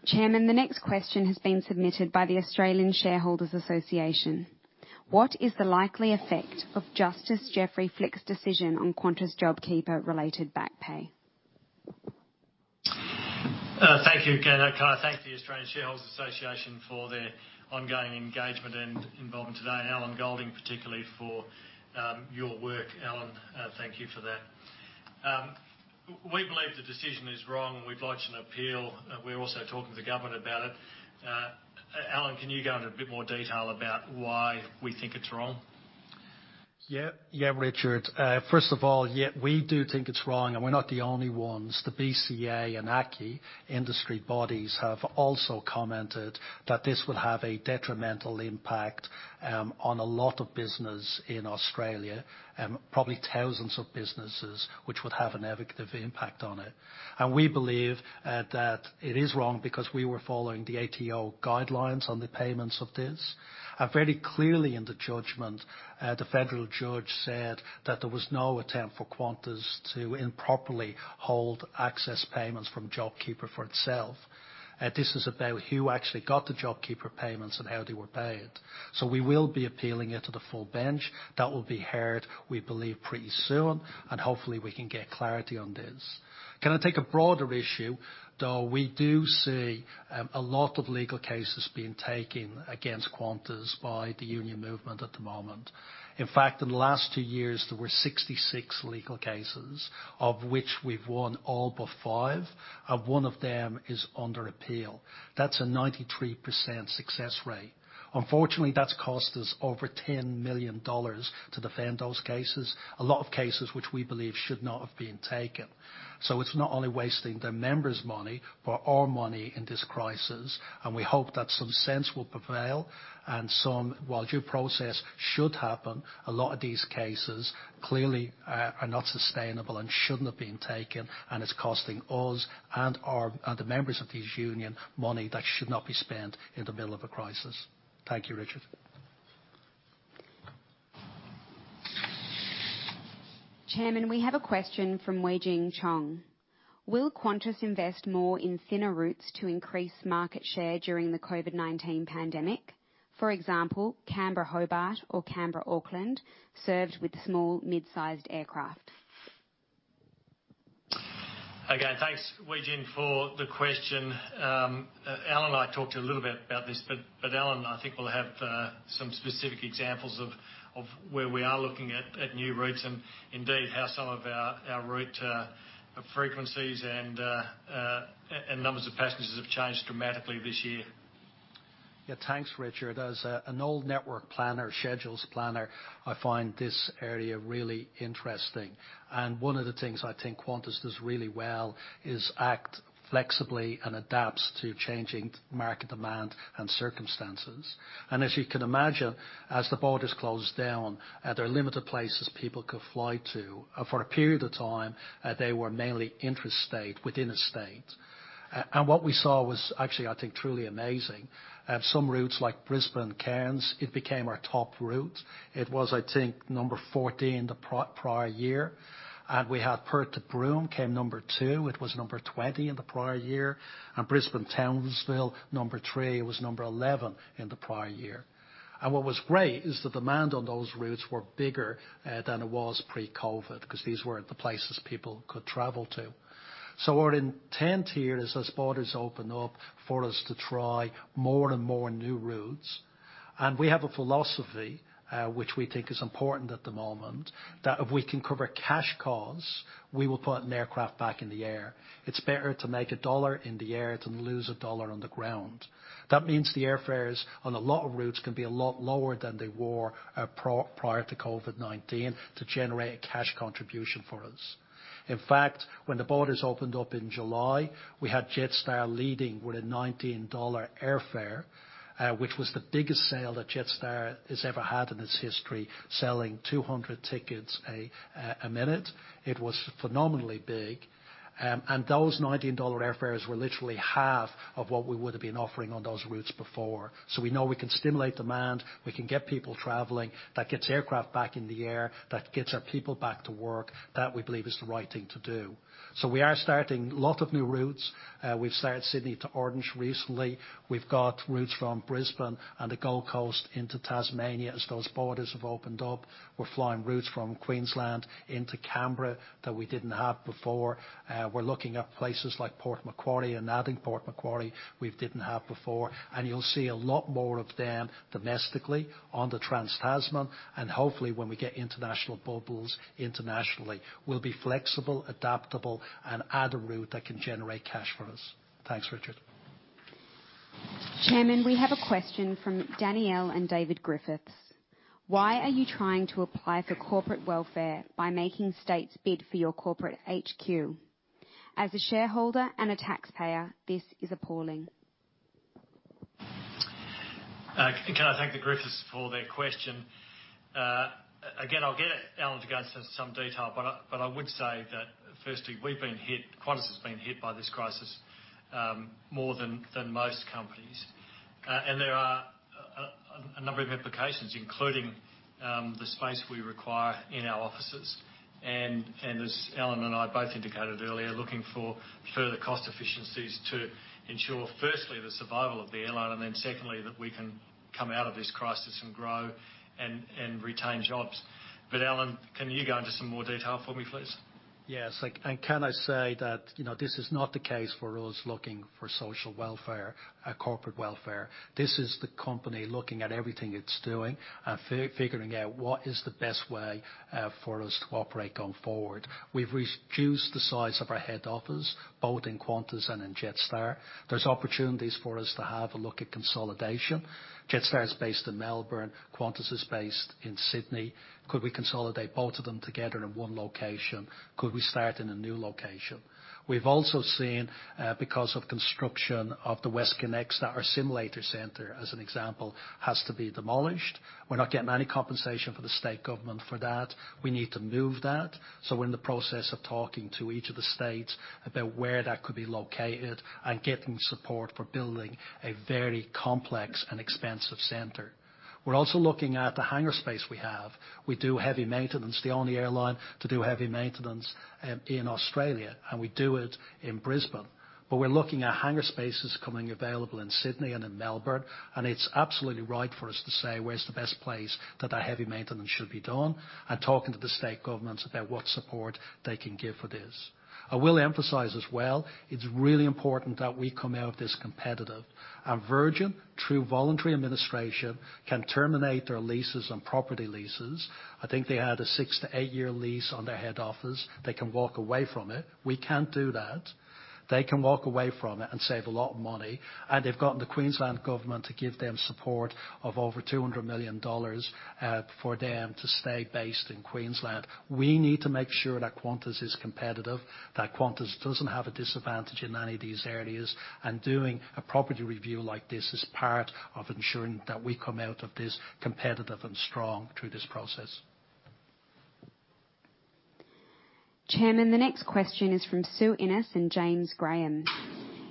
Chairman, the next question has been submitted by the Australian Shareholders Association. What is the likely effect of Justice Geoffrey Flick's decision on Qantas JobKeeper-related back pay? Thank you. Thank the Australian Shareholders Association for their ongoing engagement and involvement today. Allan Goldin, particularly for your work, Alan, thank you for that. We believe the decision is wrong. We'd like to appeal. We're also talking to the government about it. Alan, can you go into a bit more detail about why we think it's wrong? Yeah, Richard. First of all, yeah, we do think it's wrong, and we're not the only ones. The BCA and ACCI industry bodies have also commented that this would have a detrimental impact on a lot of business in Australia, probably thousands of businesses, which would have a negative impact on it. We believe that it is wrong because we were following the ATO guidelines on the payments of this. Very clearly in the judgment, the federal judge said that there was no attempt for Qantas to improperly hold excess payments from JobKeeper for itself. This is about who actually got the JobKeeper payments and how they were paid. We will be appealing it to the full bench. That will be heard, we believe, pretty soon, and hopefully we can get clarity on this. Can I take a broader issue? Though we do see a lot of legal cases being taken against Qantas by the union movement at the moment. In fact, in the last two years, there were 66 legal cases, of which we've won all but five, and one of them is under appeal. That's a 93% success rate. Unfortunately, that's cost us over $10 million to defend those cases, a lot of cases which we believe should not have been taken. So it's not only wasting the members' money, but our money in this crisis. And we hope that some sense will prevail and meanwhile due process should happen, a lot of these cases clearly are not sustainable and shouldn't have been taken, and it's costing us and the members of this union money that should not be spent in the middle of a crisis. Thank you, Richard. Chairman, we have a question from Wei-Jing Chong. Will Qantas invest more in thinner routes to increase market share during the COVID-19 pandemic? For example, Canberra-Hobart or Canberra-Auckland served with small, mid-sized aircraft. Again, thanks, Wei-Jing, for the question. Alan and I talked a little bit about this, but Alan, I think we'll have some specific examples of where we are looking at new routes and indeed how some of our route frequencies and numbers of passengers have changed dramatically this year. Yeah, thanks, Richard. As an old network planner, schedules planner, I find this area really interesting. And one of the things I think Qantas does really well is act flexibly and adapts to changing market demand and circumstances. And as you can imagine, as the borders closed down, there are limited places people could fly to. For a period of time, they were mainly interstate within a state. And what we saw was actually, I think, truly amazing. Some routes like Brisbane-Cairns, it became our top route. It was, I think, number 14 the prior year. And we had Perth to Broome came number two. It was number 20 in the prior year. And Brisbane-Townsville, number 3. It was number 11 in the prior year. And what was great is the demand on those routes was bigger than it was pre-COVID because these weren't the places people could travel to. So our intent here is, as borders open up, for us to try more and more new routes. And we have a philosophy which we think is important at the moment that if we can cover cash costs, we will put an aircraft back in the air. It's better to make a dollar in the air than lose a dollar on the ground. That means the airfares on a lot of routes can be a lot lower than they were prior to COVID-19 to generate a cash contribution for us. In fact, when the borders opened up in July, we had Jetstar leading with a $19 airfare, which was the biggest sale that Jetstar has ever had in its history, selling 200 tickets a minute. It was phenomenally big. And those $19 airfares were literally half of what we would have been offering on those routes before. So we know we can stimulate demand. We can get people traveling. That gets aircraft back in the air. That gets our people back to work. That we believe is the right thing to do. So we are starting a lot of new routes. We've started Sydney to Orange recently. We've got routes from Brisbane and the Gold Coast into Tasmania as those borders have opened up. We're flying routes from Queensland into Canberra that we didn't have before. We're looking at places like Port Macquarie and adding Port Macquarie we didn't have before. And you'll see a lot more of them domestically on the Trans-Tasman. And hopefully when we get international bubbles internationally, we'll be flexible, adaptable, and add a route that can generate cash for us. Thanks, Richard. Chairman, we have a question from Danielle and David Griffiths. Why are you trying to apply for corporate welfare by making states bid for your corporate HQ? As a shareholder and a taxpayer, this is appalling. Can I thank the Griffiths for their question? Again, I'll get Alan to go into some detail, but I would say that firstly, we've been hit, Qantas has been hit by this crisis more than most companies. And there are a number of implications, including the space we require in our offices. And as Alan and I both indicated earlier, looking for further cost efficiencies to ensure, firstly, the survival of the airline and then secondly, that we can come out of this crisis and grow and retain jobs. But Alan, can you go into some more detail for me, please? Yes. And can I say that this is not the case for us looking for social welfare or corporate welfare? This is the company looking at everything it's doing and figuring out what is the best way for us to operate going forward. We've reduced the size of our head office, both in Qantas and in Jetstar. There's opportunities for us to have a look at consolidation. Jetstar is based in Melbourne. Qantas is based in Sydney. Could we consolidate both of them together in one location? Could we start in a new location? We've also seen, because of construction of the WestConnex, that our simulator center, as an example, has to be demolished. We're not getting any compensation for the state government for that. We need to move that. So we're in the process of talking to each of the states about where that could be located and getting support for building a very complex and expensive center. We're also looking at the hangar space we have. We do heavy maintenance. The only airline to do heavy maintenance in Australia, and we do it in Brisbane, but we're looking at hangar spaces coming available in Sydney and in Melbourne, and it's absolutely right for us to say where's the best place that that heavy maintenance should be done and talking to the state governments about what support they can give for this. I will emphasize as well, it's really important that we come out of this competitively, and Virgin, through voluntary administration, can terminate their leases and property leases. I think they had a six- to eight-year lease on their head office. They can walk away from it. We can't do that. They can walk away from it and save a lot of money, and they've gotten the Queensland government to give them support of over 200 million dollars for them to stay based in Queensland. We need to make sure that Qantas is competitive, that Qantas doesn't have a disadvantage in any of these areas, and doing a property review like this is part of ensuring that we come out of this competitive and strong through this process. Chairman, the next question is from Sue Innes and James Graham.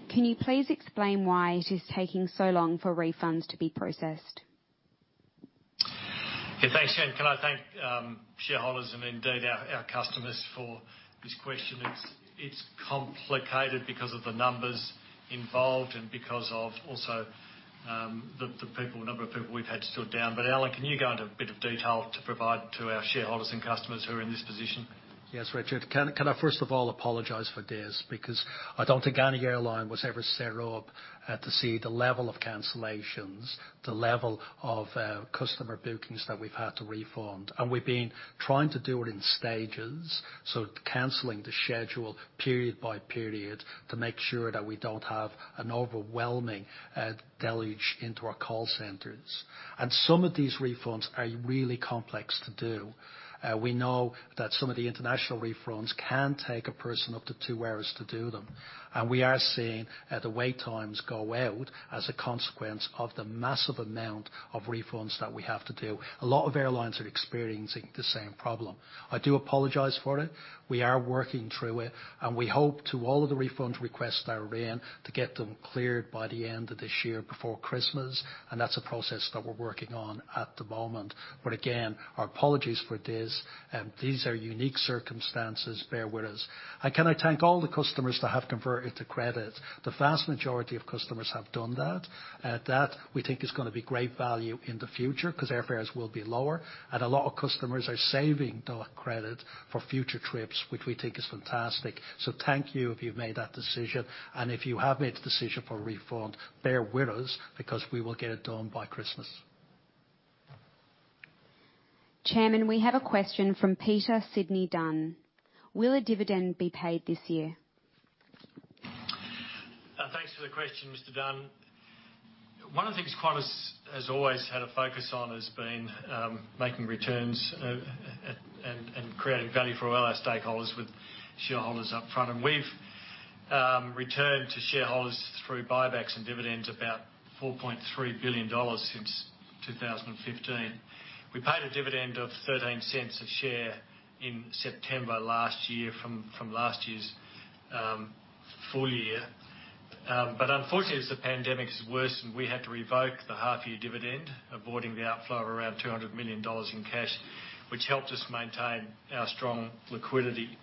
Can you please explain why it is taking so long for refunds to be processed? Yeah, thanks, James. Can I thank shareholders and indeed our customers for this question? It's complicated because of the numbers involved and because of also the number of people we've had to slow down. But Alan, can you go into a bit of detail to provide to our shareholders and customers who are in this position? Yes, Richard. Can I first of all apologize for this because I don't think any airline was ever set up to see the level of cancellations, the level of customer bookings that we've had to refund. And we've been trying to do it in stages, so canceling the schedule period by period to make sure that we don't have an overwhelming deluge into our call centers. And some of these refunds are really complex to do. We know that some of the international refunds can take a person up to two hours to do them. And we are seeing the wait times go out as a consequence of the massive amount of refunds that we have to do. A lot of airlines are experiencing the same problem. I do apologize for it. We are working through it. And we hope to all of the refund requests that are in to get them cleared by the end of this year before Christmas. And that's a process that we're working on at the moment. But again, our apologies for this. These are unique circumstances. Bear with us. And can I thank all the customers that have converted to credit? The vast majority of customers have done that. That we think is going to be great value in the future because airfares will be lower. And a lot of customers are saving that credit for future trips, which we think is fantastic. So thank you if you've made that decision. And if you have made the decision for a refund, bear with us because we will get it done by Christmas. Chairman, we have a question from Peter Sidney Dunn. Will a dividend be paid this year? Thanks for the question, Mr. Dunn. One of the things Qantas has always had a focus on has been making returns and creating value for all our stakeholders with shareholders up front. And we've returned to shareholders through buybacks and dividends about $4.3 billion since 2015. We paid a dividend of $0.13 a share in September last year from last year's full year. But unfortunately, as the pandemic has worsened, we had to revoke the half-year dividend, avoiding the outflow of around $200 million in cash, which helped us maintain our strong liquidity.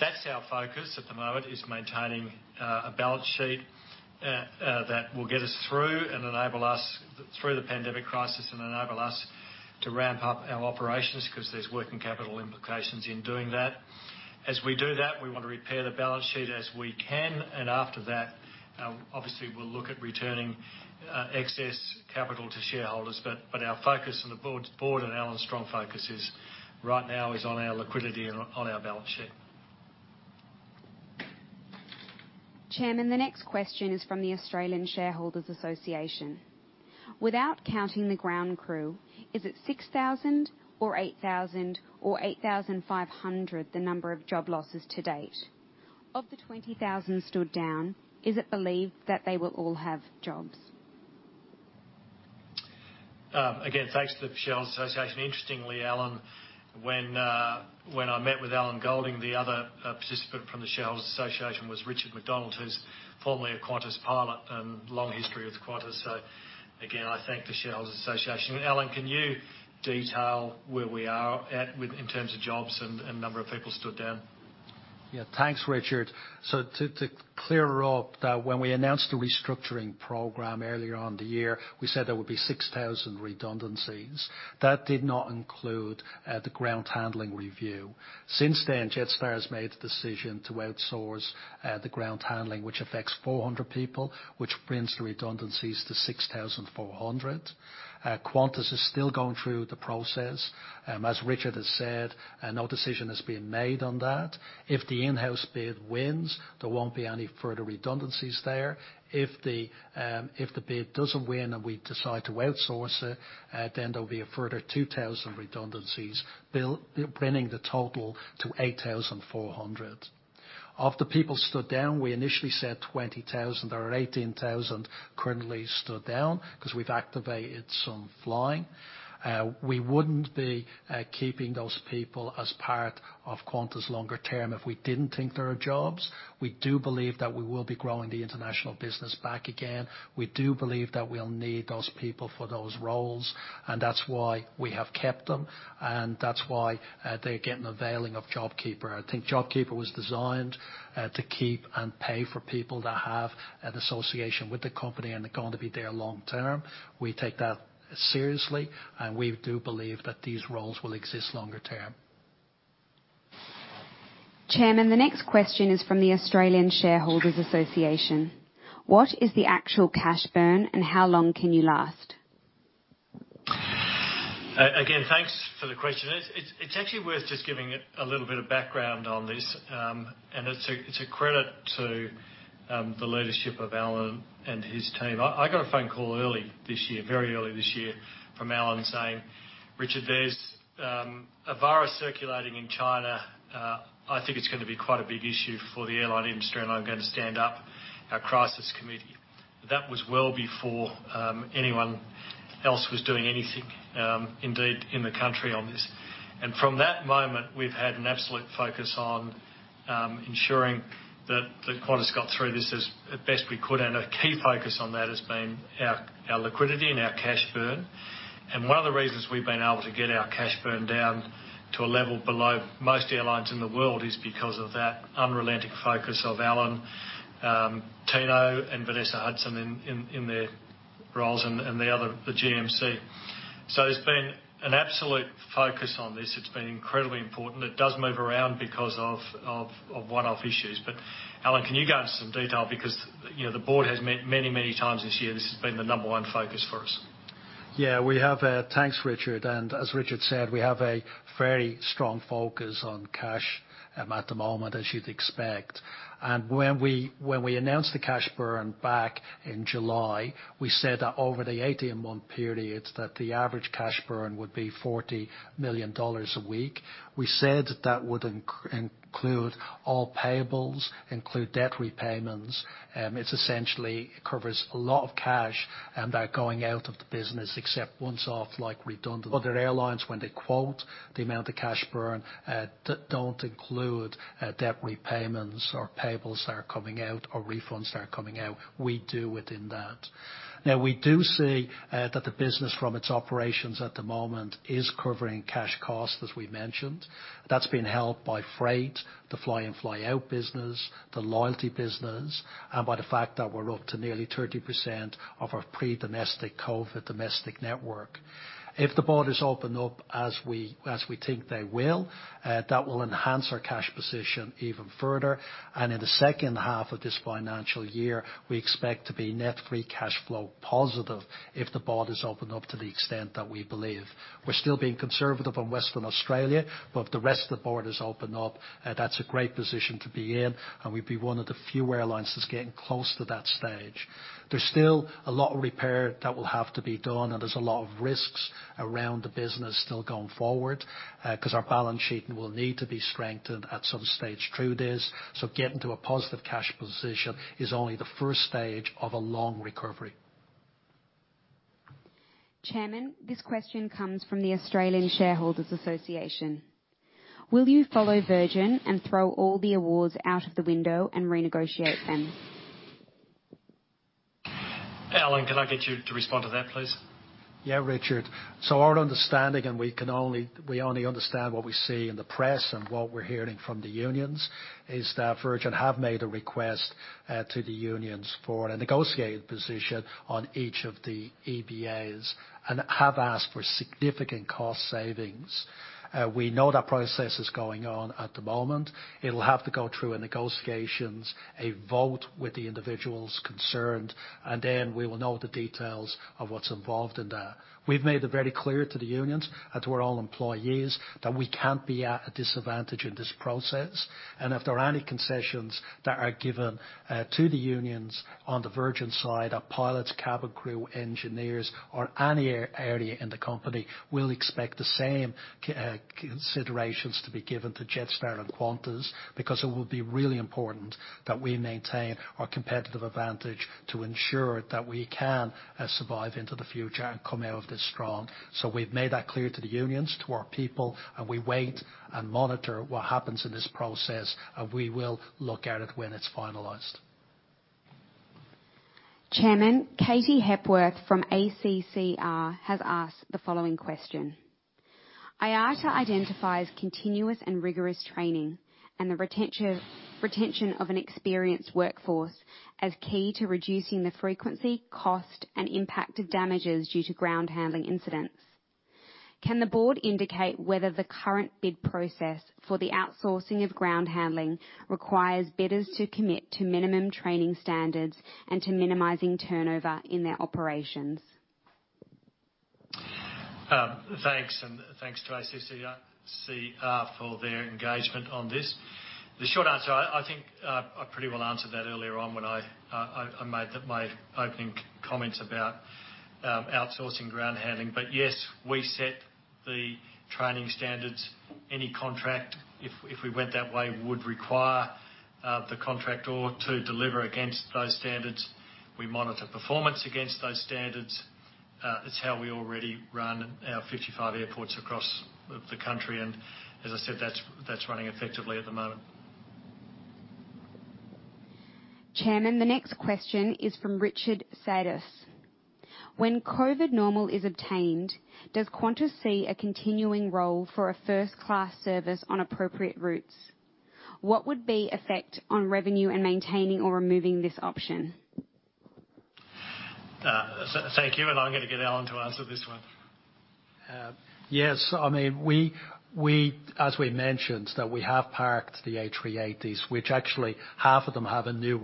That's our focus at the moment, is maintaining a balance sheet that will get us through and enable us through the pandemic crisis and enable us to ramp up our operations because there's working capital implications in doing that. As we do that, we want to repair the balance sheet as we can. And after that, obviously, we'll look at returning excess capital to shareholders. But our focus and the board and Alan's strong focus right now is on our liquidity and on our balance sheet. Chairman, the next question is from the Australian Shareholders Association. Without counting the ground crew, is it 6,000 or 8,000 or 8,500, the number of job losses to date? Of the 20,000 stood down, is it believed that they will all have jobs? Again, thanks to the Shareholders Association. Interestingly, Alan, when I met with Allan Goldin, the other participant from the Shareholders Association was Richard McDonald, who's formerly a Qantas pilot and long history with Qantas. So again, I thank the Shareholders Association. And Alan, can you detail where we are at in terms of jobs and number of people stood down? Yeah, thanks, Richard. So to clear it up, when we announced the restructuring program earlier on the year, we said there would be 6,000 redundancies. That did not include the ground handling review. Since then, Jetstar has made the decision to outsource the ground handling, which affects 400 people, which brings the redundancies to 6,400. Qantas is still going through the process. As Richard has said, no decision has been made on that. If the in-house bid wins, there won't be any further redundancies there. If the bid doesn't win and we decide to outsource it, then there'll be a further 2,000 redundancies, bringing the total to 8,400. Of the people stood down, we initially said 20,000. There are 18,000 currently stood down because we've activated some flying. We wouldn't be keeping those people as part of Qantas longer term if we didn't think there are jobs. We do believe that we will be growing the international business back again. We do believe that we'll need those people for those roles. And that's why we have kept them. And that's why they're getting the benefit of JobKeeper. I think JobKeeper was designed to keep and pay for people that have an association with the company and are going to be there long term. We take that seriously. And we do believe that these roles will exist longer term. Chairman, the next question is from the Australian Shareholders Association. What is the actual cash burn and how long can you last? Again, thanks for the question. It's actually worth just giving a little bit of background on this. And it's a credit to the leadership of Alan and his team. I got a phone call early this year, very early this year, from Alan saying, "Richard, there's a virus circulating in China. I think it's going to be quite a big issue for the airline industry and I'm going to stand up our crisis committee." That was well before anyone else was doing anything, indeed, in the country on this. And from that moment, we've had an absolute focus on ensuring that Qantas got through this as best we could. And a key focus on that has been our liquidity and our cash burn. And one of the reasons we've been able to get our cash burn down to a level below most airlines in the world is because of that unrelenting focus of Alan, Tino, and Vanessa Hudson in their roles and the GMC. So there's been an absolute focus on this. It's been incredibly important. It does move around because of one-off issues, but Alan, can you go into some detail? Because the board has met many, many times this year. This has been the number one focus for us. Yeah, we have. Thanks, Richard. As Richard said, we have a very strong focus on cash at the moment, as you'd expect, and when we announced the cash burn back in July, we said that over the 80-in-1 period, that the average cash burn would be $40 million a week. We said that would include all payables, include debt repayments. It essentially covers a lot of cash that are going out of the business, except one-off like redundant. Other airlines, when they quote the amount of cash burn, don't include debt repayments or payables that are coming out or refunds that are coming out. We do within that. Now, we do see that the business from its operations at the moment is covering cash costs, as we mentioned. That's been helped by freight, the fly-in fly-out business, the loyalty business, and by the fact that we're up to nearly 30% of our pre-COVID domestic network. If the border is opened up, as we think they will, that will enhance our cash position even further. And in the second half of this financial year, we expect to be net free cash flow positive if the border is opened up to the extent that we believe. We're still being conservative on Western Australia, but if the rest of the border is opened up, that's a great position to be in. And we'd be one of the few airlines that's getting close to that stage. There's still a lot of repair that will have to be done. There's a lot of risks around the business still going forward because our balance sheet will need to be strengthened at some stage through this. Getting to a positive cash position is only the first stage of a long recovery. Chairman, this question comes from the Australian Shareholders Association. Will you follow Virgin and throw all the awards out of the window and renegotiate them? Alan, can I get you to respond to that, please? Yeah, Richard. Our understanding, and we only understand what we see in the press and what we're hearing from the unions, is that Virgin have made a request to the unions for a negotiated position on each of the EBAs and have asked for significant cost savings. We know that process is going on at the moment. It'll have to go through a negotiations, a vote with the individuals concerned, and then we will know the details of what's involved in that. We've made it very clear to the unions and to our own employees that we can't be at a disadvantage in this process, and if there are any concessions that are given to the unions on the Virgin side, our pilots, cabin crew, engineers, or any area in the company, we'll expect the same considerations to be given to Jetstar and Qantas because it will be really important that we maintain our competitive advantage to ensure that we can survive into the future and come out of this strong, so we've made that clear to the unions, to our people, and we wait and monitor what happens in this process, and we will look at it when it's finalized. Chairman, Katie Hepworth from ACCR has asked the following question. IATA identifies continuous and rigorous training and the retention of an experienced workforce as key to reducing the frequency, cost, and impact of damages due to ground handling incidents. Can the board indicate whether the current bid process for the outsourcing of ground handling requires bidders to commit to minimum training standards and to minimizing turnover in their operations? Thanks. And thanks to ACCR for their engagement on this. The short answer, I think I pretty well answered that earlier on when I made my opening comments about outsourcing ground handling. But yes, we set the training standards. Any contract, if we went that way, would require the contractor to deliver against those standards. We monitor performance against those standards. It's how we already run our 55 airports across the country. And as I said, that's running effectively at the moment. Chairman, the next question is from Richard Malone. When COVID normal is obtained, does Qantas see a continuing role for a first-class service on appropriate routes? What would be effect on revenue and maintaining or removing this option? Thank you. And I'm going to get Alan to answer this one. Yes. I mean, as we mentioned, we have parked the A380s, which actually half of them have a new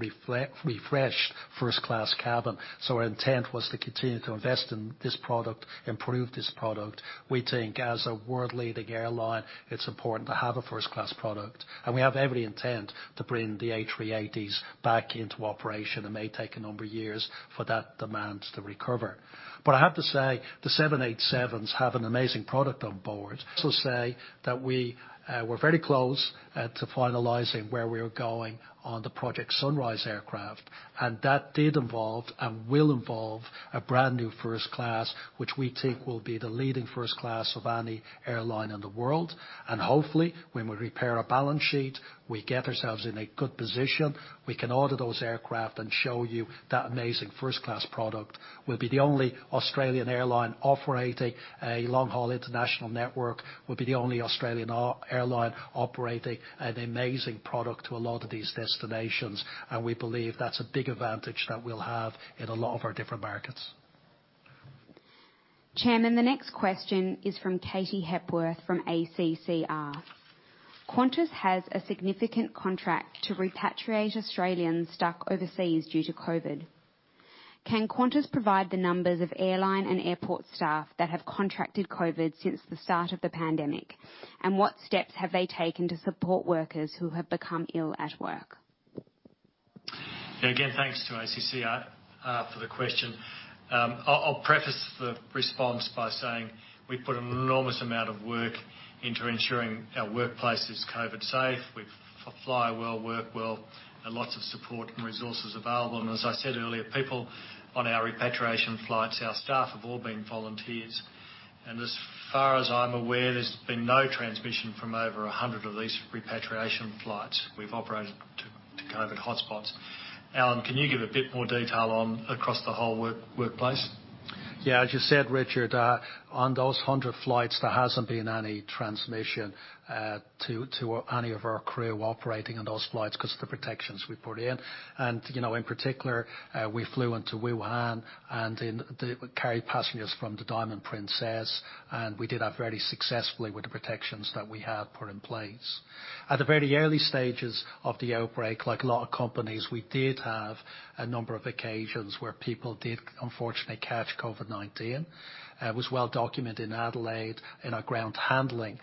refreshed first-class cabin. So our intent was to continue to invest in this product, improve this product. We think as a world-leading airline, it's important to have a first-class product. And we have every intent to bring the A380s back into operation. It may take a number of years for that demand to recover. But I have to say, the 787s have an amazing product on board. Also, say that we were very close to finalizing where we were going on the Project Sunrise aircraft, and that did involve and will involve a brand new first class, which we think will be the leading first class of any airline in the world, and hopefully, when we repair our balance sheet, we get ourselves in a good position, we can order those aircraft and show you that amazing first-class product. We'll be the only Australian airline operating a long-haul international network. We'll be the only Australian airline operating an amazing product to a lot of these destinations, and we believe that's a big advantage that we'll have in a lot of our different markets. Chairman, the next question is from Katie Hepworth from ACCR. Qantas has a significant contract to repatriate Australians stuck overseas due to COVID. Can Qantas provide the numbers of airline and airport staff that have contracted COVID since the start of the pandemic? And what steps have they taken to support workers who have become ill at work? Again, thanks to ACCR for the question. I'll preface the response by saying we put an enormous amount of work into ensuring our workplaces are COVID-safe. We Fly Well, Work Well, and lots of support and resources available. And as I said earlier, people on our repatriation flights, our staff have all been volunteers. And as far as I'm aware, there's been no transmission from over 100 of these repatriation flights we've operated to COVID hotspots. Alan, can you give a bit more detail across the whole workplace? Yeah, as you said, Richard, on those 100 flights, there hasn't been any transmission to any of our crew operating on those flights because of the protections we put in, and in particular, we flew into Wuhan and carried passengers from the Diamond Princess, and we did that very successfully with the protections that we had put in place. At the very early stages of the outbreak, like a lot of companies, we did have a number of occasions where people did, unfortunately, catch COVID-19. It was well documented in Adelaide, in our ground handling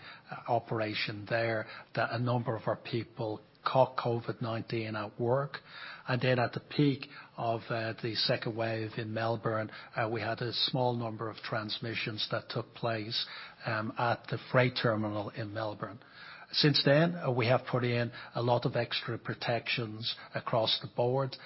operation there, that a number of our people caught COVID-19 at work, and then at the peak of the second wave in Melbourne, we had a small number of transmissions that took place at the freight terminal in Melbourne. Since then, we have put in a lot of extra protections across the board.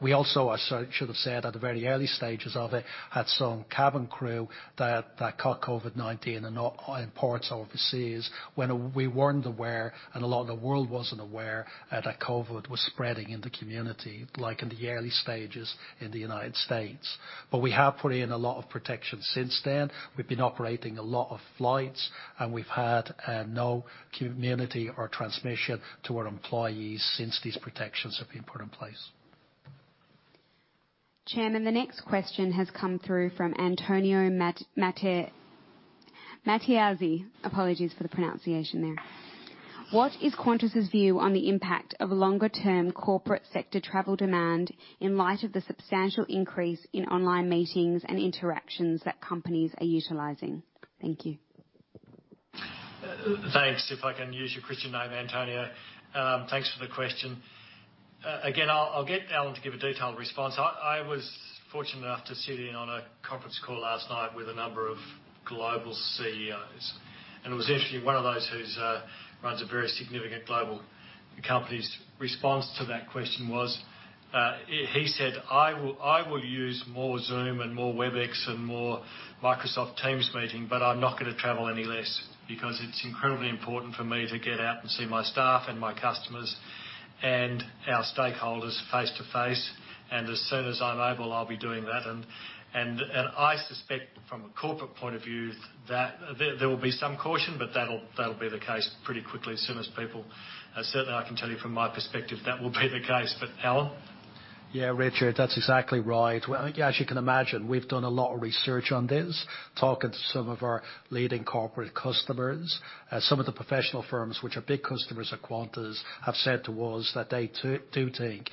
We also, I should have said, at the very early stages of it, had some cabin crew that caught COVID-19 in ports overseas when we weren't aware and a lot of the world wasn't aware that COVID was spreading in the community, like in the early stages in the United States. But we have put in a lot of protections since then. We've been operating a lot of flights, and we've had no community or transmission to our employees since these protections have been put in place. Chairman, the next question has come through from Antonio Mattiazzi. Apologies for the pronunciation there. What is Qantas' view on the impact of longer-term corporate sector travel demand in light of the substantial increase in online meetings and interactions that companies are utilizing? Thank you. Thanks. If I can use your Christian name, Antonio. Thanks for the question. Again, I'll get Alan to give a detailed response. I was fortunate enough to sit in on a conference call last night with a number of global CEOs, and it was interesting. One of those who runs a very significant global company's response to that question was, he said, "I will use more Zoom and more WebEx and more Microsoft Teams meetings, but I'm not going to travel any less because it's incredibly important for me to get out and see my staff and my customers and our stakeholders face to face. And as soon as I'm able, I'll be doing that," and I suspect from a corporate point of view that there will be some caution, but that'll be the case pretty quickly as soon as possible. Certainly, I can tell you from my perspective, that will be the case. But Alan? Yeah, Richard, that's exactly right. As you can imagine, we've done a lot of research on this, talking to some of our leading corporate customers. Some of the professional firms, which are big customers of Qantas, have said to us that they do think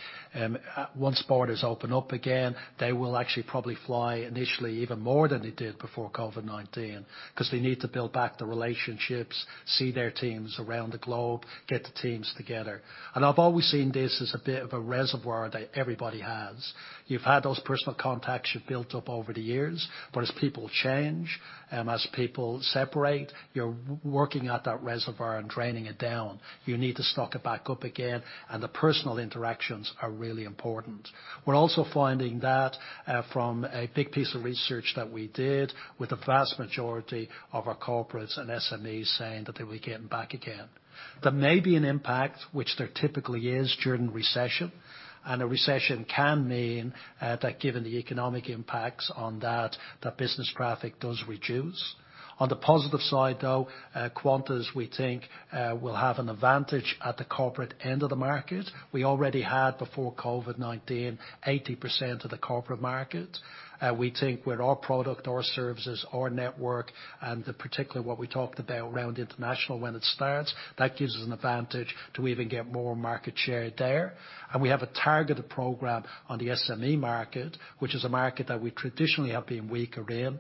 once borders open up again, they will actually probably fly initially even more than they did before COVID-19 because they need to build back the relationships, see their teams around the globe, get the teams together, and I've always seen this as a bit of a reservoir that everybody has. You've had those personal contacts you've built up over the years, but as people change and as people separate, you're working at that reservoir and draining it down. You need to stock it back up again, and the personal interactions are really important. We're also finding that from a big piece of research that we did with the vast majority of our corporates and SMEs saying that they were getting back again. There may be an impact, which there typically is during recession, and a recession can mean that given the economic impacts on that, that business traffic does reduce. On the positive side, though, Qantas, we think, will have an advantage at the corporate end of the market. We already had before COVID-19 80% of the corporate market. We think with our product, our services, our network, and particularly what we talked about around international when it starts, that gives us an advantage to even get more market share there. We have a targeted program on the SME market, which is a market that we traditionally have been weaker in,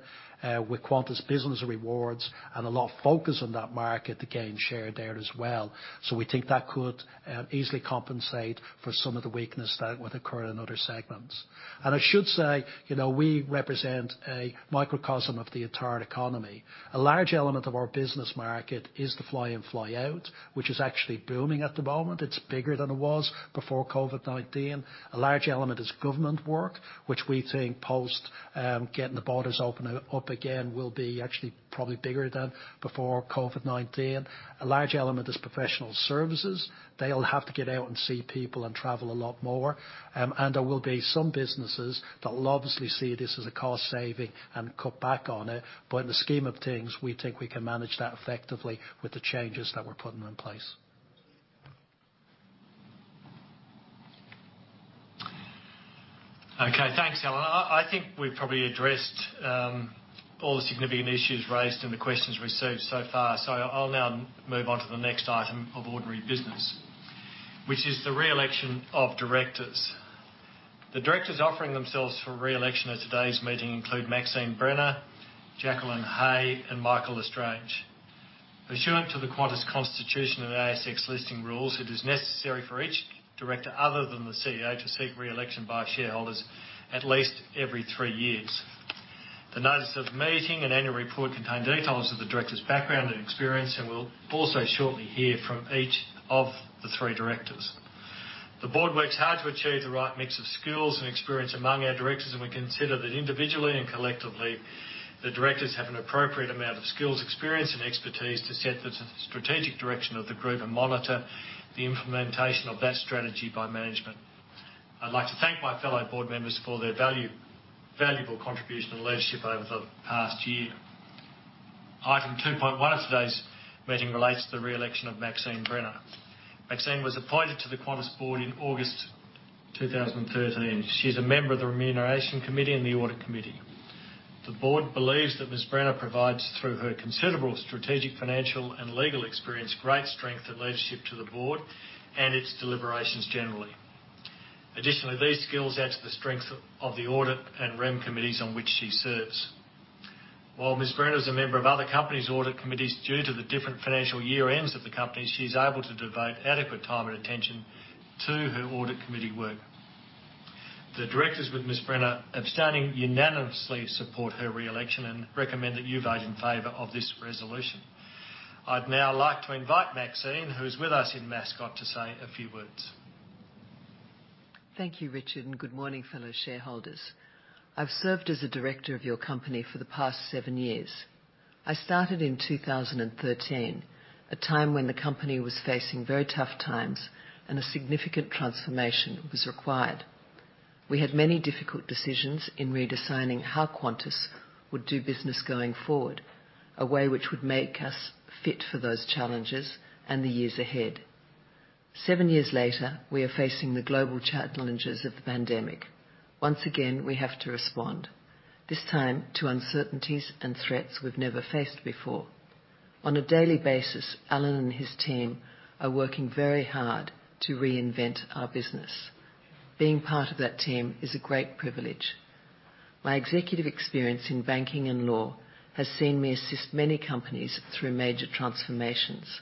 with Qantas Business Rewards and a lot of focus on that market to gain share there as well. We think that could easily compensate for some of the weakness that would occur in other segments. I should say we represent a microcosm of the entire economy. A large element of our business market is the fly-in, fly-out, which is actually booming at the moment. It's bigger than it was before COVID-19. A large element is government work, which we think post getting the borders open up again will be actually probably bigger than before COVID-19. A large element is professional services. They'll have to get out and see people and travel a lot more. And there will be some businesses that will obviously see this as a cost saving and cut back on it. But in the scheme of things, we think we can manage that effectively with the changes that we're putting in place. Okay. Thanks, Alan. I think we've probably addressed all the significant issues raised in the questions received so far. So I'll now move on to the next item of ordinary business, which is the reelection of directors. The directors offering themselves for reelection at today's meeting include Maxine Brenner, Jacqueline Hey, and Michael L'Estrange. Pursuant to the Qantas Constitution and ASX Listing Rules, it is necessary for each director other than the CEO to seek reelection by shareholders at least every three years. The notice of meeting and annual report contain details of the director's background and experience, and we'll also shortly hear from each of the three directors. The board works hard to achieve the right mix of skills and experience among our directors, and we consider that individually and collectively, the directors have an appropriate amount of skills, experience, and expertise to set the strategic direction of the group and monitor the implementation of that strategy by management. I'd like to thank my fellow board members for their valuable contribution and leadership over the past year. Item 2.1 of today's meeting relates to the reelection of Maxine Brenner. Maxine was appointed to the Qantas board in August 2013. She's a member of the Remuneration Committee and the Audit Committee. The board believes that Ms. Brenner provides, through her considerable strategic, financial, and legal experience, great strength and leadership to the board and its deliberations generally. Additionally, these skills add to the strength of the audit and Rem committees on which she serves. While Ms. Brenner is a member of other companies' audit committees. Due to the different financial year-ends of the companies, she is able to devote adequate time and attention to her audit committee work. The directors with Ms. Brenner abstaining unanimously support her reelection and recommend that you vote in favor of this resolution. I'd now like to invite Maxine, who is with us in Mascot, to say a few words. Thank you, Richard, and good morning, fellow shareholders. I've served as a director of your company for the past seven years. I started in 2013, a time when the company was facing very tough times and a significant transformation was required. We had many difficult decisions in redesigning how Qantas would do business going forward, a way which would make us fit for those challenges and the years ahead. Seven years later, we are facing the global challenges of the pandemic. Once again, we have to respond, this time to uncertainties and threats we've never faced before. On a daily basis, Alan and his team are working very hard to reinvent our business. Being part of that team is a great privilege. My executive experience in banking and law has seen me assist many companies through major transformations.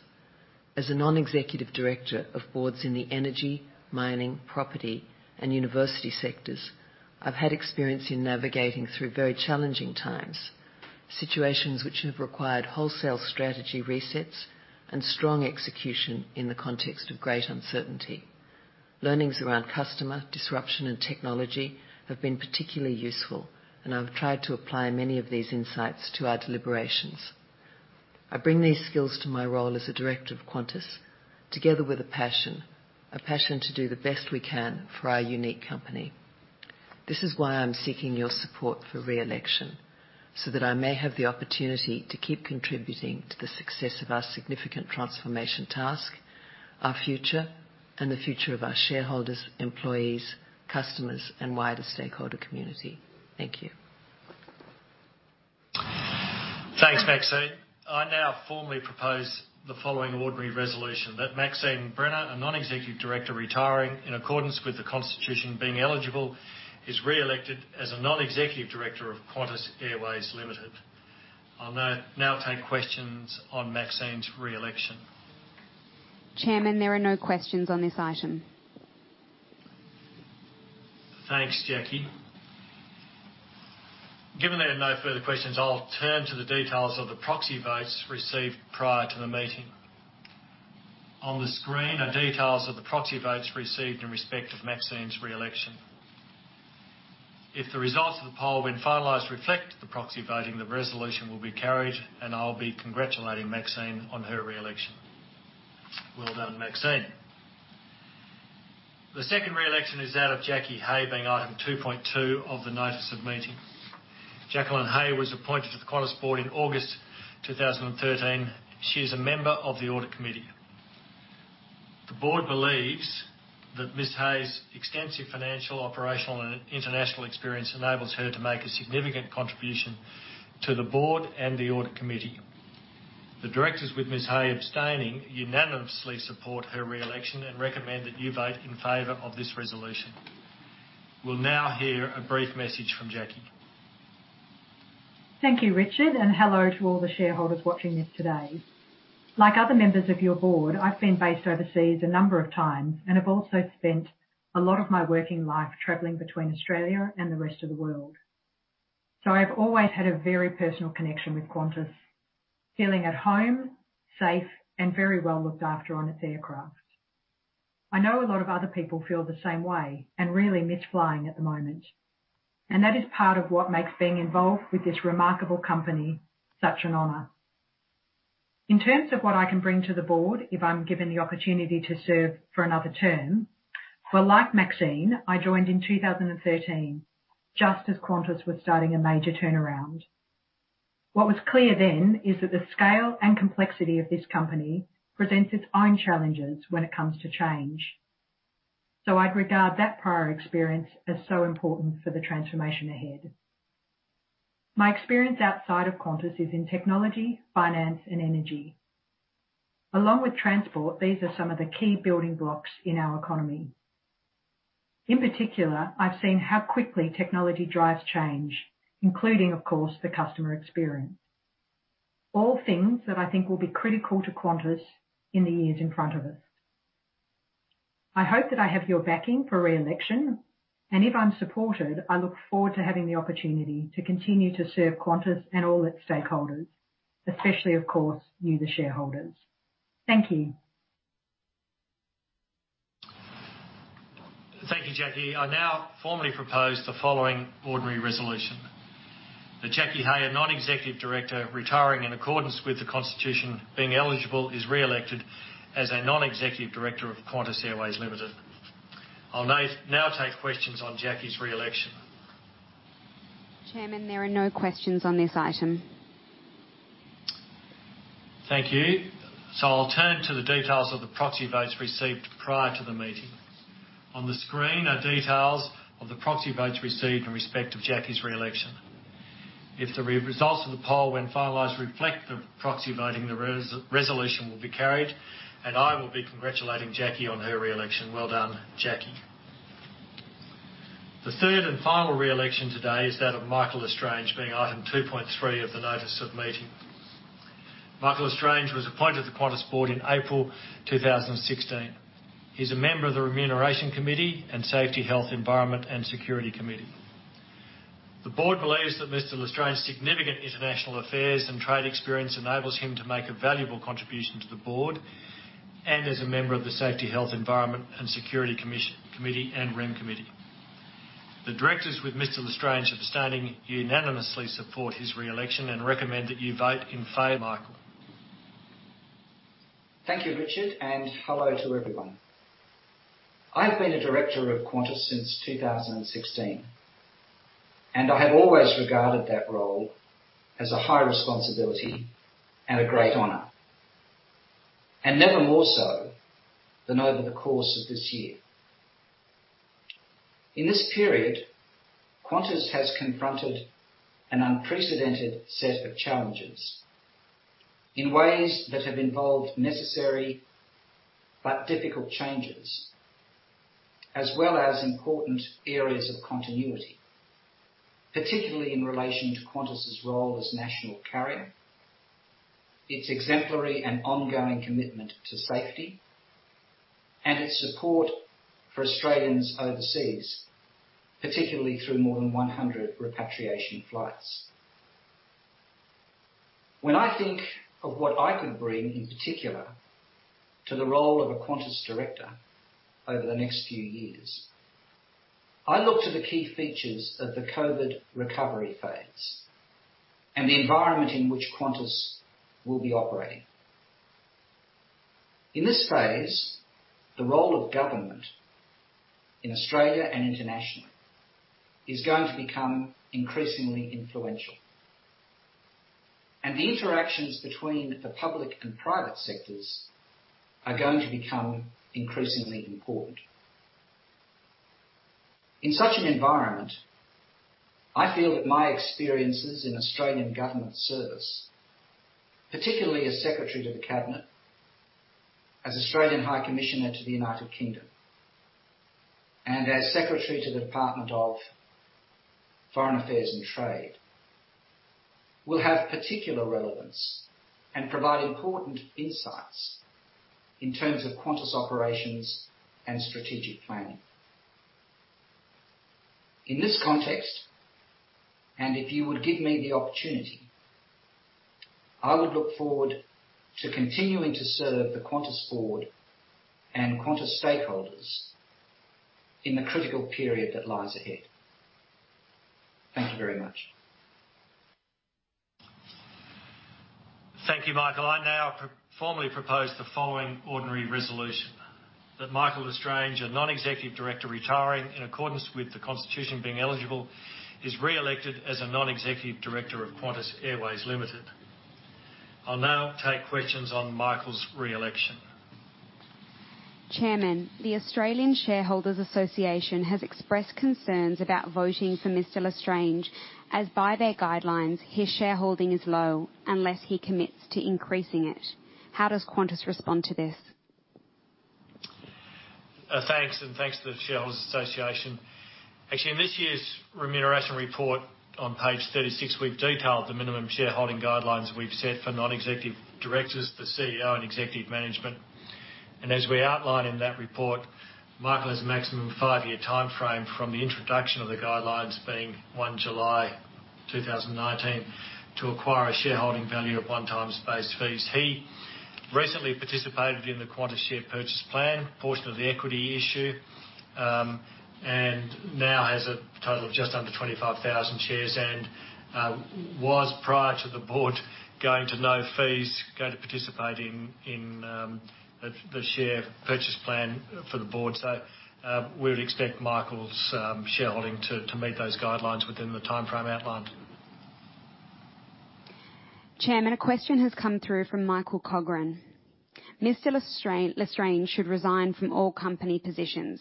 As a non-executive director of boards in the energy, mining, property, and university sectors, I've had experience in navigating through very challenging times, situations which have required wholesale strategy resets and strong execution in the context of great uncertainty. Learnings around customer disruption and technology have been particularly useful, and I've tried to apply many of these insights to our deliberations. I bring these skills to my role as a director of Qantas together with a passion, a passion to do the best we can for our unique company. This is why I'm seeking your support for reelection, so that I may have the opportunity to keep contributing to the success of our significant transformation task, our future, and the future of our shareholders, employees, customers, and wider stakeholder community. Thank you. Thanks, Maxine. I now formally propose the following ordinary resolution: that Maxine Brenner, a non-executive director retiring in accordance with the Constitution, being eligible, is reelected as a non-executive director of Qantas Airways Limited. I'll now take questions on Maxine's reelection. Chairman, there are no questions on this item. Thanks, Jackie. Given there are no further questions, I'll turn to the details of the proxy votes received prior to the meeting. On the screen are details of the proxy votes received in respect of Maxine's reelection. If the results of the poll when finalized reflect the proxy voting, the resolution will be carried, and I'll be congratulating Maxine on her reelection. Well done, Maxine. The second reelection is that of Jackie Hey, being item 2.2 of the notice of meeting. Jacqueline Hey was appointed to the Qantas board in August 2013. She is a member of the Audit Committee. The board believes that Ms. Hey's extensive financial, operational, and international experience enables her to make a significant contribution to the board and the Audit Committee. The directors, with Ms. Hey abstaining, unanimously support her reelection and recommend that you vote in favor of this resolution. We'll now hear a brief message from Jackie. Thank you, Richard, and hello to all the shareholders watching this today. Like other members of your board, I've been based overseas a number of times and have also spent a lot of my working life traveling between Australia and the rest of the world. So I've always had a very personal connection with Qantas, feeling at home, safe, and very well looked after on its aircraft. I know a lot of other people feel the same way and really miss flying at the moment. And that is part of what makes being involved with this remarkable company such an honor. In terms of what I can bring to the board if I'm given the opportunity to serve for another term, well, like Maxine, I joined in 2013 just as Qantas was starting a major turnaround. What was clear then is that the scale and complexity of this company presents its own challenges when it comes to change. So I'd regard that prior experience as so important for the transformation ahead. My experience outside of Qantas is in technology, finance, and energy. Along with transport, these are some of the key building blocks in our economy. In particular, I've seen how quickly technology drives change, including, of course, the customer experience, all things that I think will be critical to Qantas in the years in front of us. I hope that I have your backing for reelection, and if I'm supported, I look forward to having the opportunity to continue to serve Qantas and all its stakeholders, especially, of course, you, the shareholders. Thank you. Thank you, Jackie. I now formally propose the following ordinary resolution: that Jackie Hey, a non-executive director retiring in accordance with the Constitution, being eligible, is reelected as a non-executive director of Qantas Airways Limited. I'll now take questions on Jackie's reelection. Chairman, there are no questions on this item. Thank you. So I'll turn to the details of the proxy votes received prior to the meeting. On the screen are details of the proxy votes received in respect of Jackie's reelection. If the results of the poll when finalized reflect the proxy voting, the resolution will be carried, and I will be congratulating Jackie on her reelection. Well done, Jackie. The third and final reelection today is that of Michael L'Estrange, being item 2.3 of the notice of meeting. Michael L'Estrange was appointed to the Qantas board in April 2016. He's a member of the Remuneration Committee and Safety, Health, Environment, and Security Committee. The board believes that Mr. L'Estrange's significant international affairs and trade experience enables him to make a valuable contribution to the board and as a member of the Safety, Health, Environment, and Security Committee and Rem Committee. The directors, with Mr. L'Estrange abstaining, unanimously support his reelection and recommend that you vote in favor of Michael. Thank you, Richard, and hello to everyone. I've been a director of Qantas since 2016, and I have always regarded that role as a high responsibility and a great honor, and never more so than over the course of this year. In this period, Qantas has confronted an unprecedented set of challenges in ways that have involved necessary but difficult changes, as well as important areas of continuity, particularly in relation to Qantas's role as national carrier, its exemplary and ongoing commitment to safety, and its support for Australians overseas, particularly through more than 100 repatriation flights. When I think of what I could bring in particular to the role of a Qantas director over the next few years, I look to the key features of the COVID recovery phase and the environment in which Qantas will be operating. In this phase, the role of government in Australia and internationally is going to become increasingly influential, and the interactions between the public and private sectors are going to become increasingly important. In such an environment, I feel that my experiences in Australian government service, particularly as Secretary to the Cabinet, as Australian High Commissioner to the United Kingdom, and as Secretary to the Department of Foreign Affairs and Trade, will have particular relevance and provide important insights in terms of Qantas operations and strategic planning. In this context, and if you would give me the opportunity, I would look forward to continuing to serve the Qantas board and Qantas stakeholders in the critical period that lies ahead. Thank you very much. Thank you, Michael. I now formally propose the following ordinary resolution: that Michael L'Estrange, a non-executive director retiring in accordance with the Constitution, being eligible, is reelected as a non-executive director of Qantas Airways Limited. I'll now take questions on Michael's reelection. Chairman, the Australian Shareholders Association has expressed concerns about voting for Mr. L'Estrange, as by their guidelines, his shareholding is low unless he commits to increasing it. How does Qantas respond to this? Thanks, and thanks to the Shareholders Association. Actually, in this year's Remuneration Report on page 36, we've detailed the minimum shareholding guidelines we've set for non-executive directors, the CEO, and executive management. And as we outline in that report, Michael has a maximum five-year timeframe from the introduction of the guidelines, being one July 2019, to acquire a shareholding value of one times base fees. He recently participated in the Qantas Share Purchase Plan, portion of the equity issue, and now has a total of just under 25,000 shares and was, prior to the board, going to no fees, going to participate in the Share Purchase Plan for the board. So we would expect Michael's shareholding to meet those guidelines within the timeframe outlined. Chairman, a question has come through from Michael Cochrane. Mr. L'Estrange should resign from all company positions.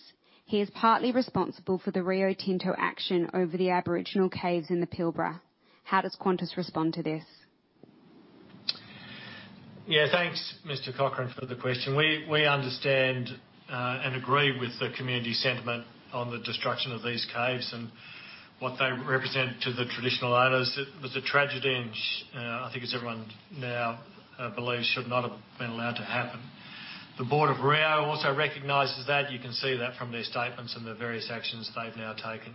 He is partly responsible for the Rio Tinto action over the Aboriginal caves in the Pilbara. How does Qantas respond to this? Yeah, thanks, Mr. Cochran, for the question. We understand and agree with the community sentiment on the destruction of these caves and what they represent to the traditional owners. It was a tragedy, and I think, as everyone now believes, should not have been allowed to happen. The board of Rio also recognizes that. You can see that from their statements and the various actions they've now taken.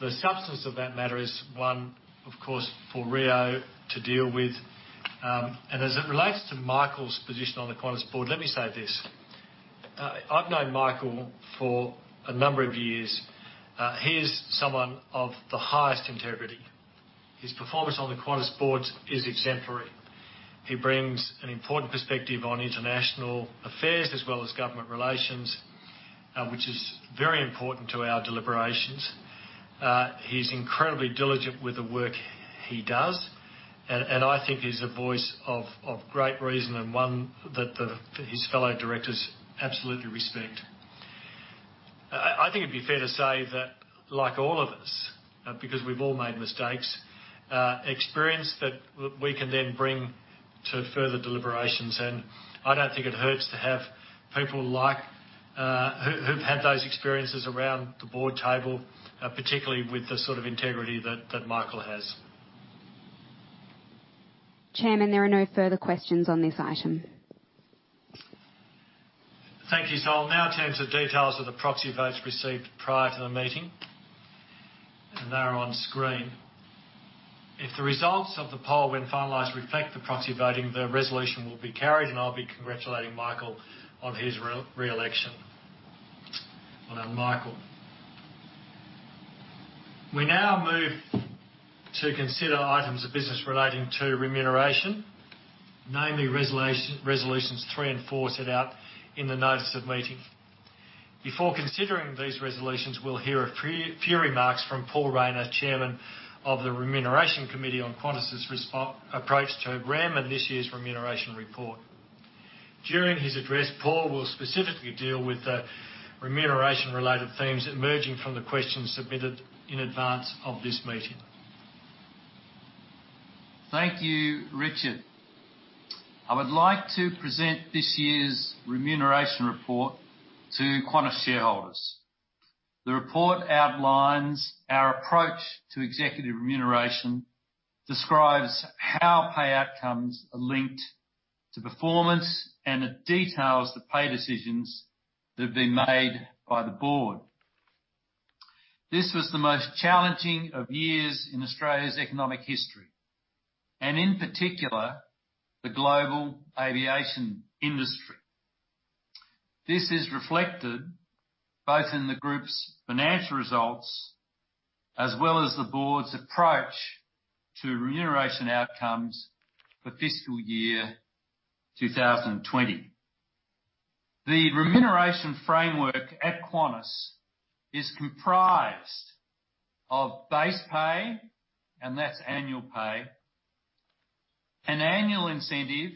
The substance of that matter is one, of course, for Rio to deal with. And as it relates to Michael's position on the Qantas board, let me say this: I've known Michael for a number of years. He is someone of the highest integrity. His performance on the Qantas board is exemplary. He brings an important perspective on international affairs as well as government relations, which is very important to our deliberations. He's incredibly diligent with the work he does, and I think he's a voice of great reason and one that his fellow directors absolutely respect. I think it'd be fair to say that, like all of us, because we've all made mistakes, experience that we can then bring to further deliberations and I don't think it hurts to have people who've had those experiences around the board table, particularly with the sort of integrity that Michael has. Chairman, there are no further questions on this item. Thank you, so I'll now turn to the details of the proxy votes received prior to the meeting, and they're on screen. If the results of the poll, when finalized, reflect the proxy voting, the resolution will be carried, and I'll be congratulating Michael on his reelection, well done, Michael. We now move to consider items of business relating to remuneration, namely resolutions three and four set out in the notice of meeting. Before considering these resolutions, we'll hear a few remarks from Paul Rayner, Chairman of the Remuneration Committee on Qantas's approach to Rem and this year's Remuneration Report. During his address, Paul will specifically deal with the remuneration-related themes emerging from the questions submitted in advance of this meeting. Thank you, Richard. I would like to present this year's Remuneration Report to Qantas shareholders. The report outlines our approach to executive remuneration, describes how payout comes linked to performance, and it details the pay decisions that have been made by the board. This was the most challenging of years in Australia's economic history, and in particular, the global aviation industry. This is reflected both in the group's financial results as well as the board's approach to remuneration outcomes for fiscal year 2020. The remuneration framework at Qantas is comprised of base pay, and that's annual pay, an annual incentive,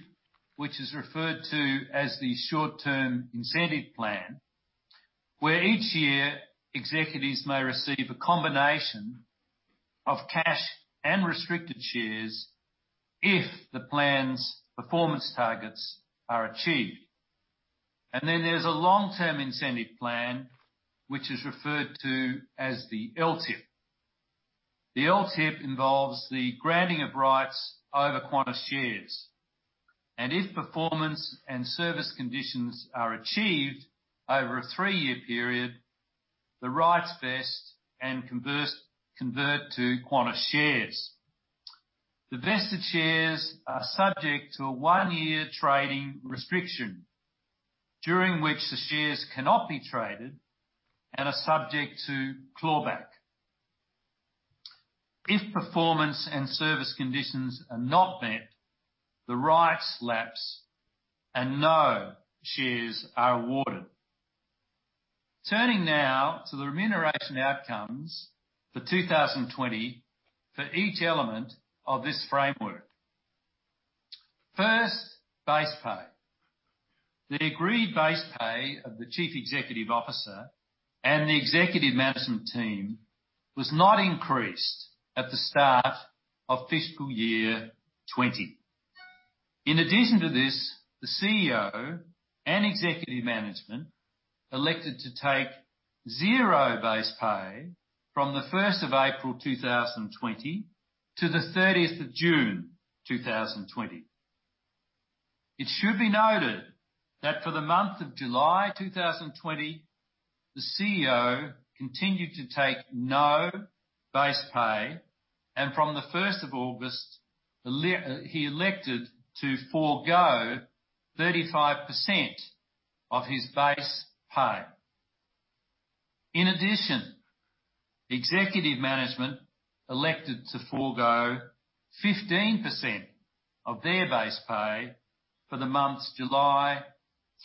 which is referred to as the Short-Term Incentive Plan, where each year executives may receive a combination of cash and restricted shares if the plan's performance targets are achieved, and then there's a Long-Term Incentive Plan, which is referred to as the LTIP. The LTIP involves the granting of rights over Qantas shares, and if performance and service conditions are achieved over a three-year period, the rights vest and convert to Qantas shares. The vested shares are subject to a one-year trading restriction, during which the shares cannot be traded and are subject to clawback. If performance and service conditions are not met, the rights lapse and no shares are awarded. Turning now to the remuneration outcomes for 2020 for each element of this framework. First, base pay. The agreed base pay of the Chief Executive Officer and the Executive Management Team was not increased at the start of fiscal year 2020. In addition to this, the CEO and executive management elected to take zero base pay from the 1st of April 2020 to the 30th of June 2020. It should be noted that for the month of July 2020, the CEO continued to take no base pay, and from the 1st of August, he elected to forego 35% of his base pay. In addition, executive management elected to forego 15% of their base pay for the months July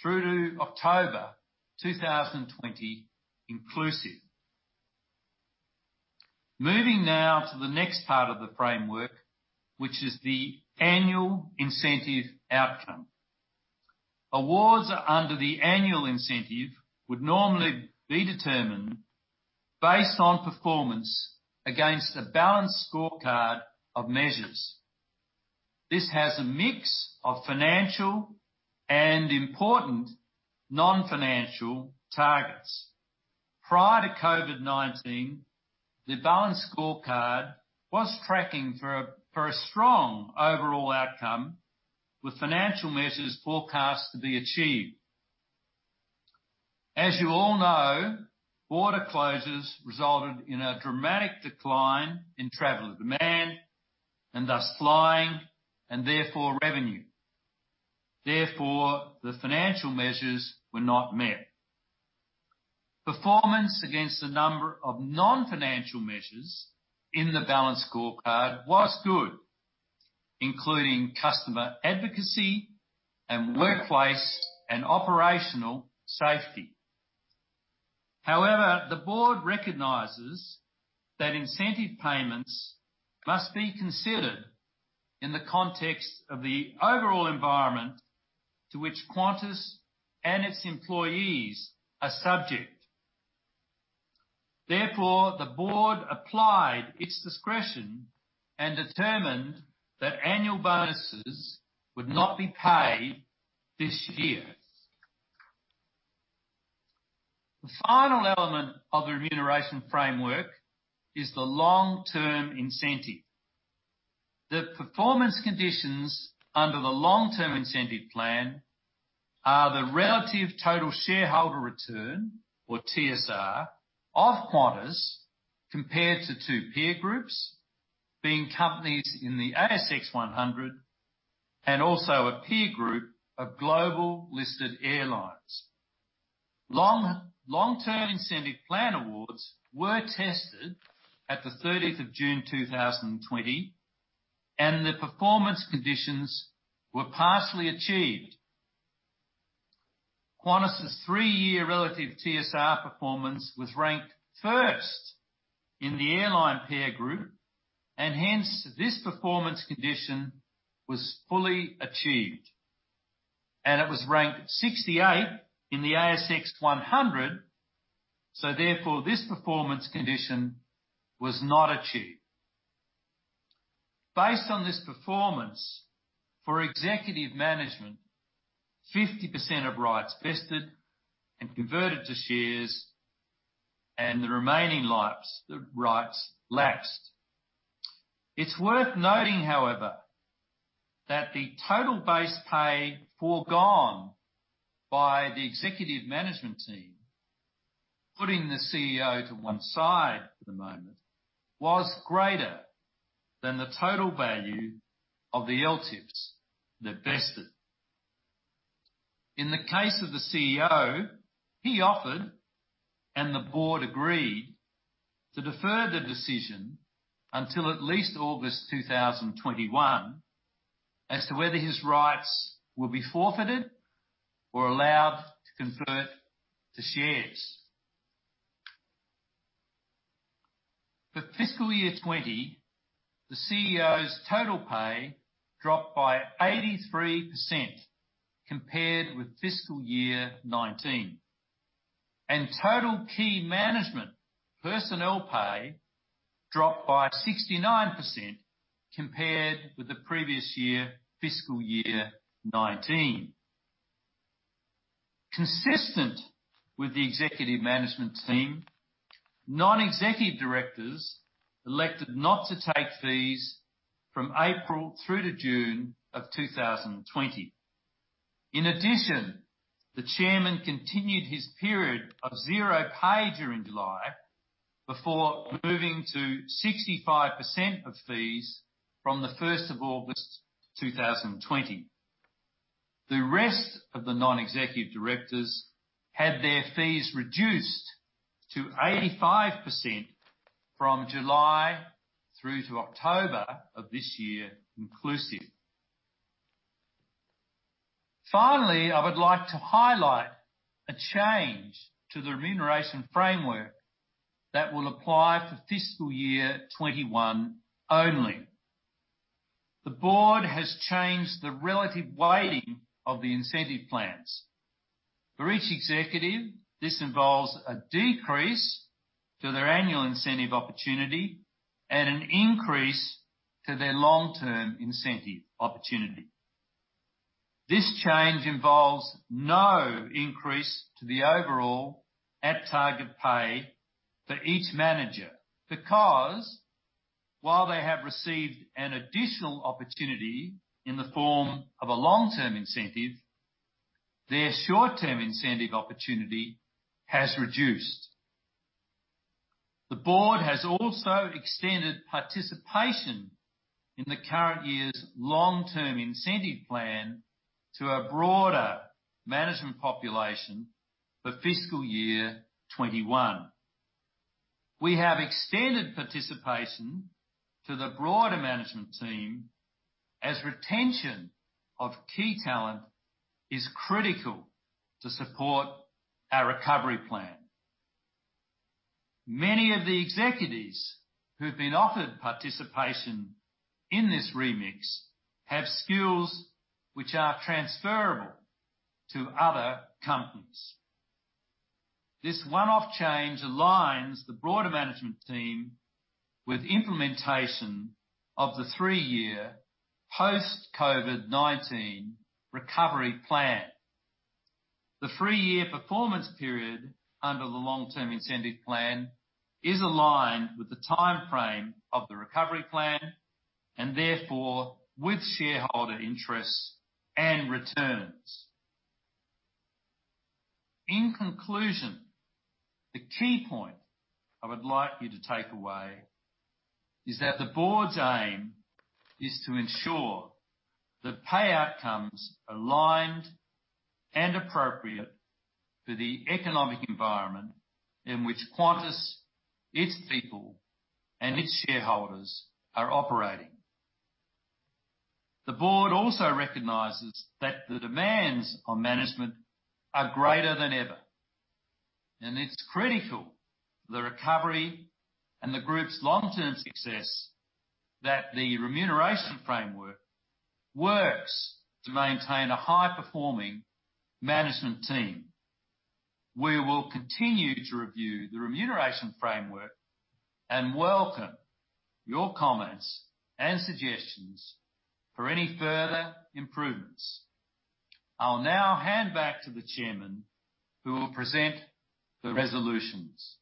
through to October 2020 inclusive. Moving now to the next part of the framework, which is the annual incentive outcome. Awards under the annual incentive would normally be determined based on performance against a balanced scorecard of measures. This has a mix of financial and important non-financial targets. Prior to COVID-19, the balanced scorecard was tracking for a strong overall outcome with financial measures forecast to be achieved. As you all know, border closures resulted in a dramatic decline in traveler demand and thus flying and therefore revenue. Therefore, the financial measures were not met. Performance against the number of non-financial measures in the balanced scorecard was good, including customer advocacy and workplace and operational safety. However, the board recognizes that incentive payments must be considered in the context of the overall environment to which Qantas and its employees are subject. Therefore, the board applied its discretion and determined that annual bonuses would not be paid this year. The final element of the remuneration framework is the long-term incentive. The performance conditions under the Long-Term Incentive Plan are the relative total shareholder return, or TSR, of Qantas compared to two peer groups, being companies in the ASX 100 and also a peer group of global listed airlines. Long-Term Incentive Plan awards were tested at the 30th of June 2020, and the performance conditions were partially achieved. Qantas's three-year relative TSR performance was ranked first in the airline peer group, and hence this performance condition was fully achieved, and it was ranked 68 in the ASX 100, so therefore this performance condition was not achieved. Based on this performance, for executive management, 50% of rights vested and converted to shares, and the remaining rights lapsed. It's worth noting, however, that the total base pay foregone by the executive management team, putting the CEO to one side for the moment, was greater than the total value of the LTIPs that vested. In the case of the CEO, he offered, and the board agreed, to defer the decision until at least August 2021 as to whether his rights will be forfeited or allowed to convert to shares. For fiscal year 2020, the CEO's total pay dropped by 83% compared with fiscal year 2019, and total key management personnel pay dropped by 69% compared with the previous year, fiscal year 2019. Consistent with the executive management team, non-executive directors elected not to take fees from April through to June of 2020. In addition, the chairman continued his period of zero pay during July before moving to 65% of fees from the 1st of August 2020. The rest of the non-executive directors had their fees reduced to 85% from July through to October of this year inclusive. Finally, I would like to highlight a change to the remuneration framework that will apply for fiscal year 2021 only. The board has changed the relative weighting of the incentive plans. For each executive, this involves a decrease to their annual incentive opportunity and an increase to their long-term incentive opportunity. This change involves no increase to the overall at-target pay for each manager because, while they have received an additional opportunity in the form of a long-term incentive, their short-term incentive opportunity has reduced. The board has also extended participation in the current year's Long-Term Incentive Plan to a broader management population for fiscal year 2021. We have extended participation to the broader management team as retention of key talent is critical to support our recovery plan. Many of the executives who've been offered participation in this remix have skills which are transferable to other companies. This one-off change aligns the broader management team with implementation of the three-year post-COVID-19 recovery plan. The three-year performance period under the Long-Term Incentive Plan is aligned with the timeframe of the recovery plan and therefore with shareholder interests and returns. In conclusion, the key point I would like you to take away is that the board's aim is to ensure that payout comes aligned and appropriate for the economic environment in which Qantas, its people, and its shareholders are operating. The board also recognizes that the demands on management are greater than ever, and it's critical for the recovery and the group's long-term success that the remuneration framework works to maintain a high-performing management team. We will continue to review the remuneration framework and welcome your comments and suggestions for any further improvements. I'll now hand back to the chairman, who will present the resolutions.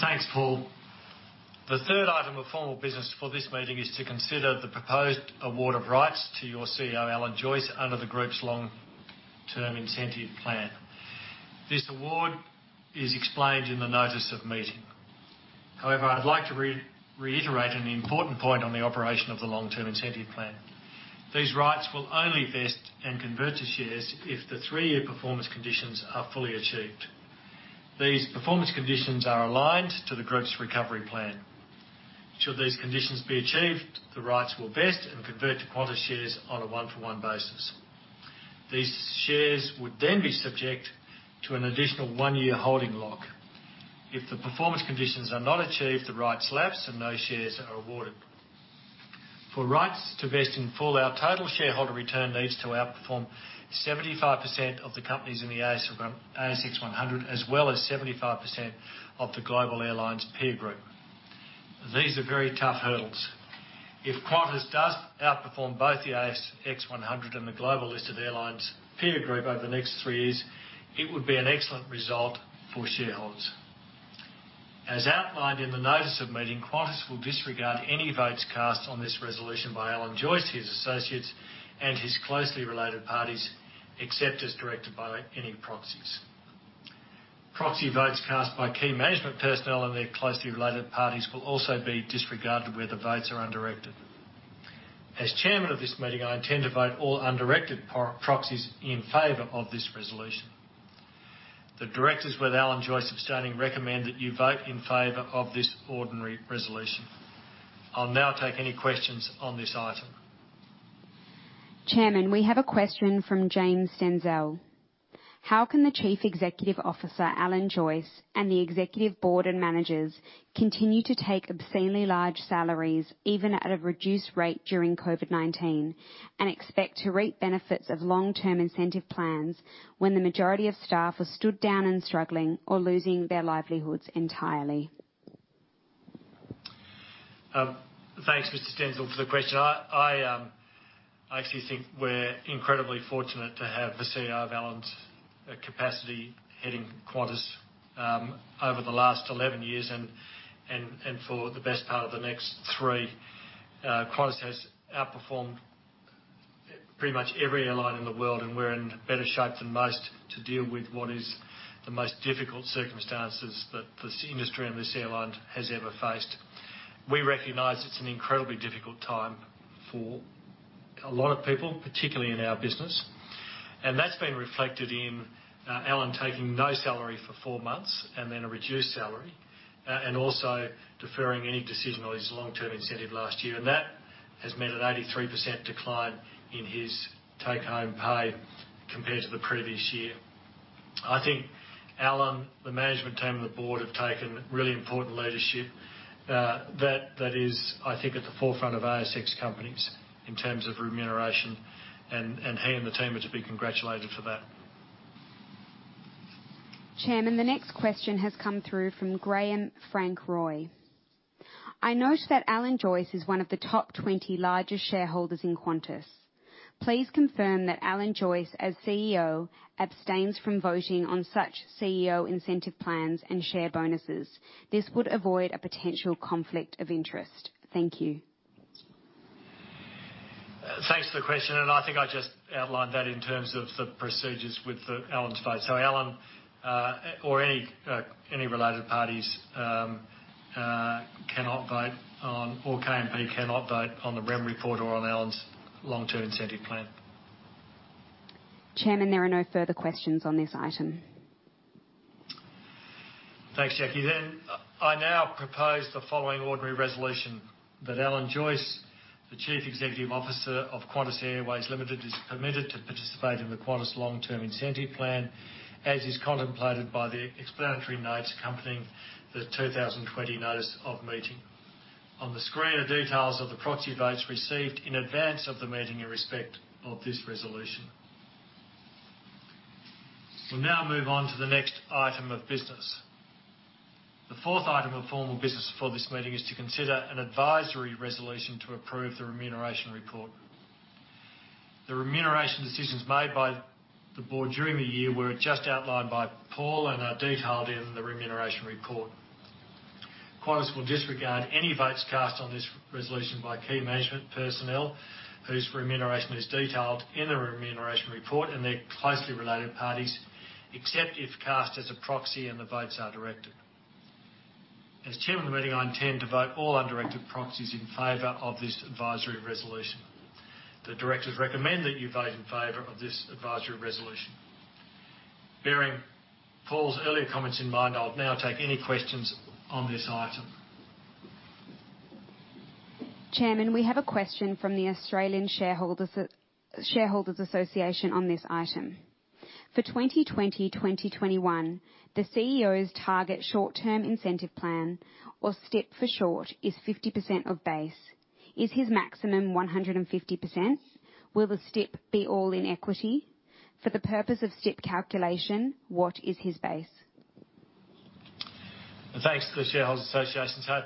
Thanks, Paul. The third item of formal business for this meeting is to consider the proposed award of rights to your CEO, Alan Joyce, under the group's Long-Term Incentive Plan. This award is explained in the notice of meeting. However, I'd like to reiterate an important point on the operation of the Long-Term Incentive Plan. These rights will only vest and convert to shares if the three-year performance conditions are fully achieved. These performance conditions are aligned to the group's recovery plan. Should these conditions be achieved, the rights will vest and convert to Qantas shares on a one-for-one basis. These shares would then be subject to an additional one-year holding lock. If the performance conditions are not achieved, the rights lapse and no shares are awarded. For rights to vest in full, our total shareholder return needs to outperform 75% of the companies in the ASX 100, as well as 75% of the global airlines peer group. These are very tough hurdles. If Qantas does outperform both the ASX 100 and the global listed airlines peer group over the next three years, it would be an excellent result for shareholders. As outlined in the notice of meeting, Qantas will disregard any votes cast on this resolution by Alan Joyce, his associates, and his closely related parties, except as directed by any proxies. Proxy votes cast by key management personnel and their closely related parties will also be disregarded where the votes are undirected. As chairman of this meeting, I intend to vote all undirected proxies in favor of this resolution. The directors, with Alan Joyce abstaining, recommend that you vote in favor of this ordinary resolution. I'll now take any questions on this item. Chairman, we have a question from James Stenzel. How can the Chief Executive Officer, Alan Joyce, and the executive board and managers continue to take obscenely large salaries, even at a reduced rate during COVID-19, and expect to reap benefits of Long-Term Incentive Plans when the majority of staff are stood down and struggling or losing their livelihoods entirely? Thanks, Mr. Stenzel, for the question. I actually think we're incredibly fortunate to have the CEO of Alan's capacity heading Qantas over the last 11 years and for the best part of the next three. Qantas has outperformed pretty much every airline in the world, and we're in better shape than most to deal with what is the most difficult circumstances that this industry and this airline has ever faced. We recognize it's an incredibly difficult time for a lot of people, particularly in our business, and that's been reflected in Alan taking no salary for four months and then a reduced salary and also deferring any decision on his long-term incentive last year, and that has meant an 83% decline in his take-home pay compared to the previous year. I think Alan, the management team, and the board have taken really important leadership that is, I think, at the forefront of ASX companies in terms of remuneration, and he and the team are to be congratulated for that. Chairman, the next question has come through from Graham Frank Roy. I note that Alan Joyce is one of the top 20 largest shareholders in Qantas. Please confirm that Alan Joyce, as CEO, abstains from voting on such CEO incentive plans and share bonuses. This would avoid a potential conflict of interest. Thank you. Thanks for the question, and I think I just outlined that in terms of the procedures with Alan's vote. So Alan or any related parties cannot vote on, or KMP cannot vote on the Rem report or on Alan's Long-Term Incentive Plan. Chairman, there are no further questions on this item. Thanks, Jackie. Then I now propose the following ordinary resolution: that Alan Joyce, the Chief Executive Officer of Qantas Airways Limited, is permitted to participate in the Qantas Long-Term Incentive Plan as is contemplated by the explanatory notes accompanying the 2020 notice of meeting. On the screen are details of the proxy votes received in advance of the meeting in respect of this resolution. We'll now move on to the next item of business. The fourth item of formal business for this meeting is to consider an advisory resolution to approve the Remuneration Report. The remuneration decisions made by the board during the year were just outlined by Paul and are detailed in the Remuneration Report. Qantas will disregard any votes cast on this resolution by key management personnel whose remuneration is detailed in the Remuneration Report and their closely related parties, except if cast as a proxy and the votes are directed. As chairman of the meeting, I intend to vote all undirected proxies in favor of this advisory resolution. The directors recommend that you vote in favor of this advisory resolution. Bearing Paul's earlier comments in mind, I'll now take any questions on this item. Chairman, we have a question from the Australian Shareholders Association on this item. For 2020-2021, the CEO's target Short-Term Incentive Plan, or STIP for short, is 50% of base. Is his maximum 150%? Will the STIP be all in equity? For the purpose of STIP calculation, what is his base? Thanks to the Shareholders Association. So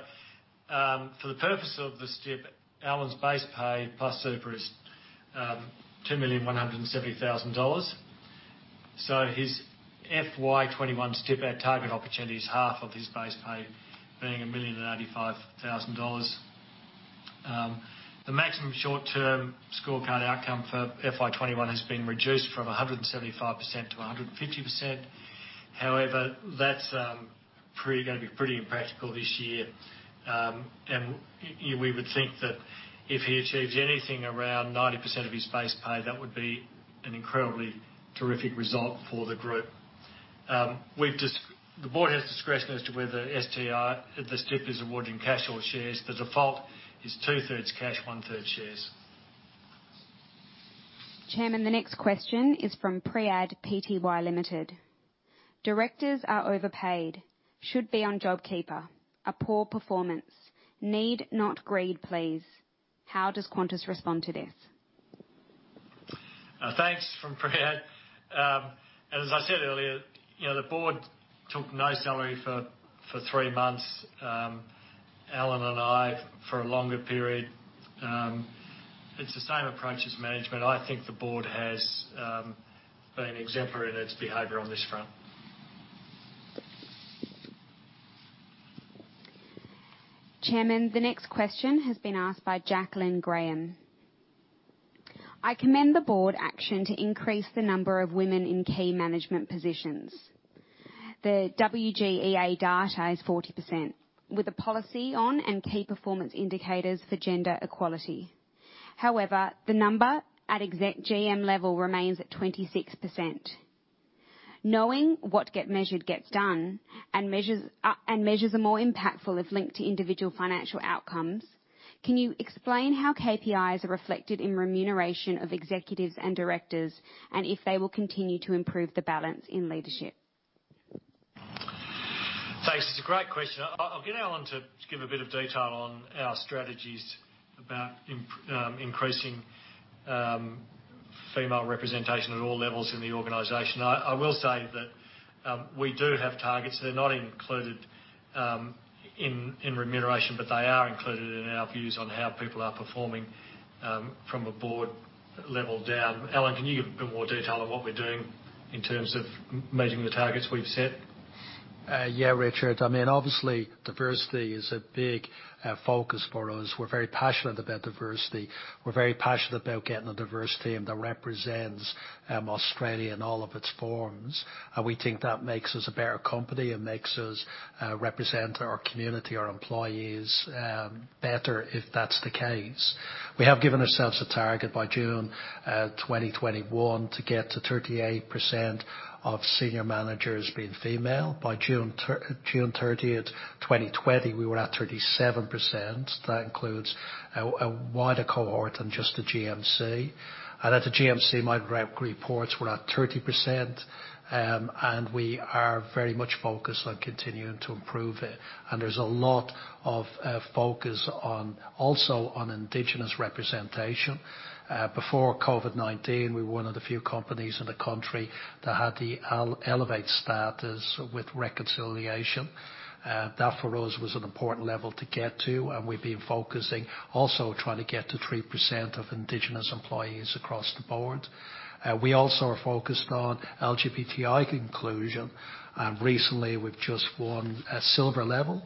for the purpose of the STIP, Alan's base pay plus super is $2,170,000. So his FY21 STIP at target opportunity is half of his base pay, being 1,085,000 dollars. The maximum short-term scorecard outcome for FY21 has been reduced from 175-150%. However, that's going to be pretty impractical this year, and we would think that if he achieves anything around 90% of his base pay, that would be an incredibly terrific result for the group. The board has discretion as to whether the STIP, the STIP, is awarding cash or shares. The default is two-thirds cash, one-third shares. Chairman, the next question is from Priyad Pty Ltd. Directors are overpaid, should be on JobKeeper. A poor performance. Need not greed, please. How does Qantas respond to this? Thanks from Priyad. As I said earlier, the board took no salary for three months. Alan and I, for a longer period, it's the same approach as management. I think the board has been exemplary in its behavior on this front. Chairman, the next question has been asked by Jacqueline Graham. I commend the board action to increase the number of women in key management positions. The WGEA data is 40%, with a policy on and key performance indicators for gender equality. However, the number at exec GM level remains at 26%. Knowing what gets measured gets done, and measures are more impactful if linked to individual financial outcomes, can you explain how KPIs are reflected in remuneration of executives and directors, and if they will continue to improve the balance in leadership? Thanks. It's a great question. I'll get Alan to give a bit of detail on our strategies about increasing female representation at all levels in the organization. I will say that we do have targets. They're not included in remuneration, but they are included in our views on how people are performing from a board level down. Alan, can you give a bit more detail on what we're doing in terms of meeting the targets we've set? Yeah, Richard. I mean, obviously, diversity is a big focus for us. We're very passionate about diversity. We're very passionate about getting a diverse team that represents Australia in all of its forms. We think that makes us a better company and makes us represent our community, our employees better if that's the case. We have given ourselves a target by June 2021 to get to 38% of senior managers being female. By June 30th, 2020, we were at 37%. That includes a wider cohort than just the GMC, and at the GMC, my reports were at 30%, and we are very much focused on continuing to improve it, and there's a lot of focus also on Indigenous representation. Before COVID-19, we were one of the few companies in the country that had the Elevate status with reconciliation. That for us was an important level to get to, and we've been focusing also trying to get to 3% of Indigenous employees across the board. We also are focused on LGBTI inclusion. Recently, we've just won a silver level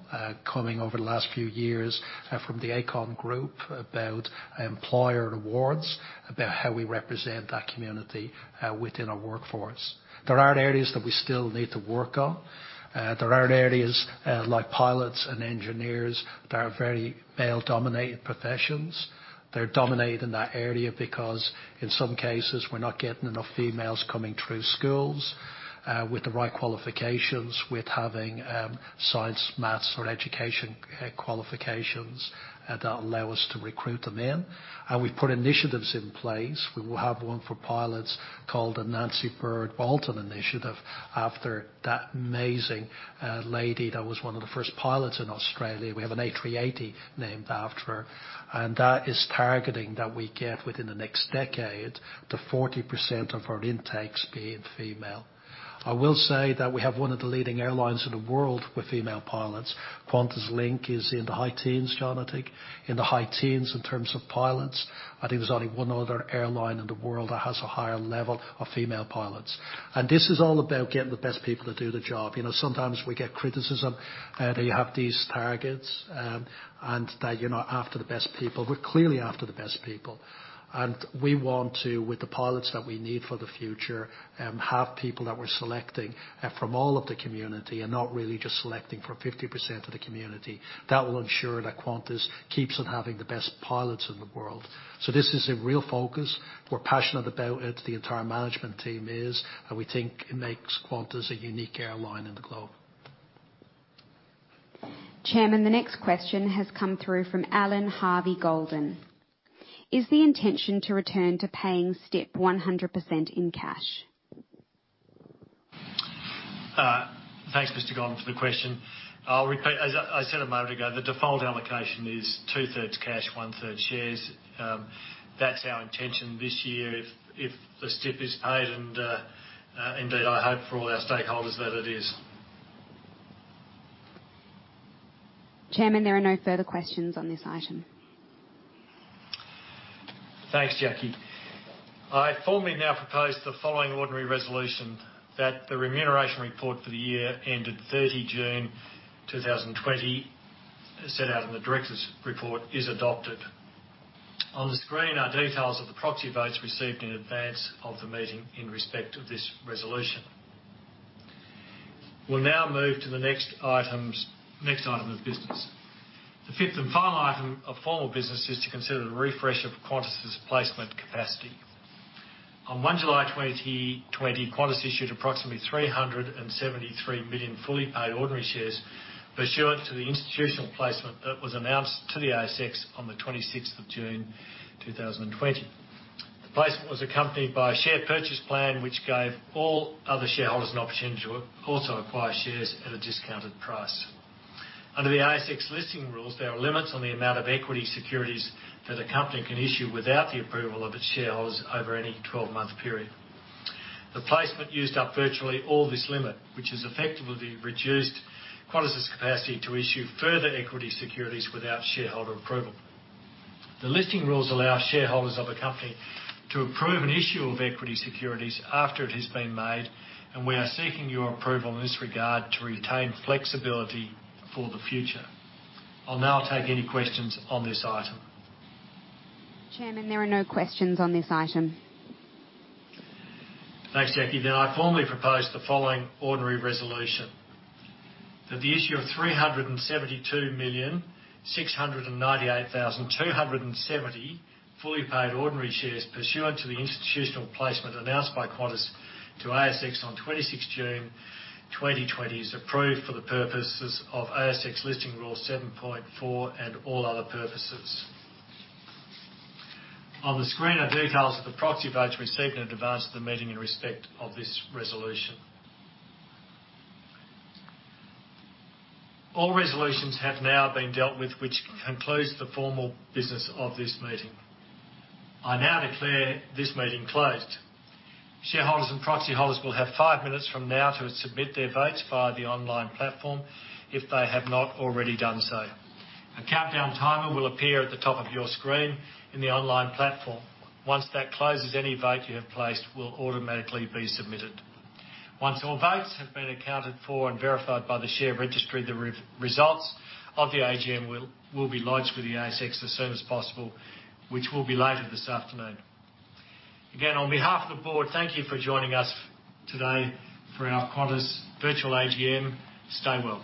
coming over the last few years from the ACON Group about employer awards, about how we represent that community within our workforce. There are areas that we still need to work on. There are areas like pilots and engineers that are very male-dominated professions. They're dominated in that area because, in some cases, we're not getting enough females coming through schools with the right qualifications, with having science, math, or education qualifications that allow us to recruit them in, and we've put initiatives in place. We will have one for pilots called the Nancy-Bird Walton Initiative after that amazing lady that was one of the first pilots in Australia. We have an A380 named after her, and that is targeting that we get within the next decade to 40% of our intakes being female. I will say that we have one of the leading airlines in the world with female pilots. QantasLink is in the high teens, Jonathan, in the high teens in terms of pilots. I think there's only one other airline in the world that has a higher level of female pilots, and this is all about getting the best people to do the job. Sometimes we get criticism that you have these targets and that you're not after the best people. We're clearly after the best people, and we want to, with the pilots that we need for the future, have people that we're selecting from all of the community and not really just selecting for 50% of the community. That will ensure that Qantas keeps on having the best pilots in the world, so this is a real focus. We're passionate about it. The entire management team is, and we think it makes Qantas a unique airline in the globe. Chairman, the next question has come through from Allan Goldin. Is the intention to return to paying STIP 100% in cash? Thanks, Mr. Goldin, for the question. As I said a moment ago, the default allocation is two-thirds cash, one-third shares. That's our intention this year if the STIP is paid, and indeed, I hope for all our stakeholders that it is. Chairman, there are no further questions on this item. Thanks, Jackie. I formally now propose the following ordinary resolution: that the Remuneration Report for the year ended 30 June 2020, set out in the directors' report, is adopted. On the screen are details of the proxy votes received in advance of the meeting in respect of this resolution. We'll now move to the next item of business. The fifth and final item of formal business is to consider the refresh of Qantas' placement capacity. On 1 July 2020, Qantas issued approximately 373 million fully paid ordinary shares pursuant to the Institutional Placement that was announced to the ASX on the 26th of June 2020. The placement was accompanied by a Share Purchase Plan which gave all other shareholders an opportunity to also acquire shares at a discounted price. Under the ASX Listing Rules, there are limits on the amount of equity securities that a company can issue without the approval of its shareholders over any 12-month period. The placement used up virtually all this limit, which has effectively reduced Qantas' capacity to issue further equity securities without shareholder approval. The listing rules allow shareholders of a company to approve an issue of equity securities after it has been made, and we are seeking your approval in this regard to retain flexibility for the future. I'll now take any questions on this item. Chairman, there are no questions on this item. Thanks, Jackie. Then I formally propose the following ordinary resolution: that the issue of 372,698,270 fully paid ordinary shares pursuant to the Institutional Placement announced by Qantas to ASX on 26 June 2020 is approved for the purposes of ASX Listing Rule 7.4 and all other purposes. On the screen are details of the proxy votes received in advance of the meeting in respect of this resolution. All resolutions have now been dealt with, which concludes the formal business of this meeting. I now declare this meeting closed. Shareholders and proxy holders will have five minutes from now to submit their votes via the online platform if they have not already done so. A countdown timer will appear at the top of your screen in the online platform. Once that closes, any vote you have placed will automatically be submitted. Once all votes have been accounted for and verified by the share registry, the results of the AGM will be launched with the ASX as soon as possible, which will be later this afternoon. Again, on behalf of the board, thank you for joining us today for our Qantas virtual AGM. Stay well.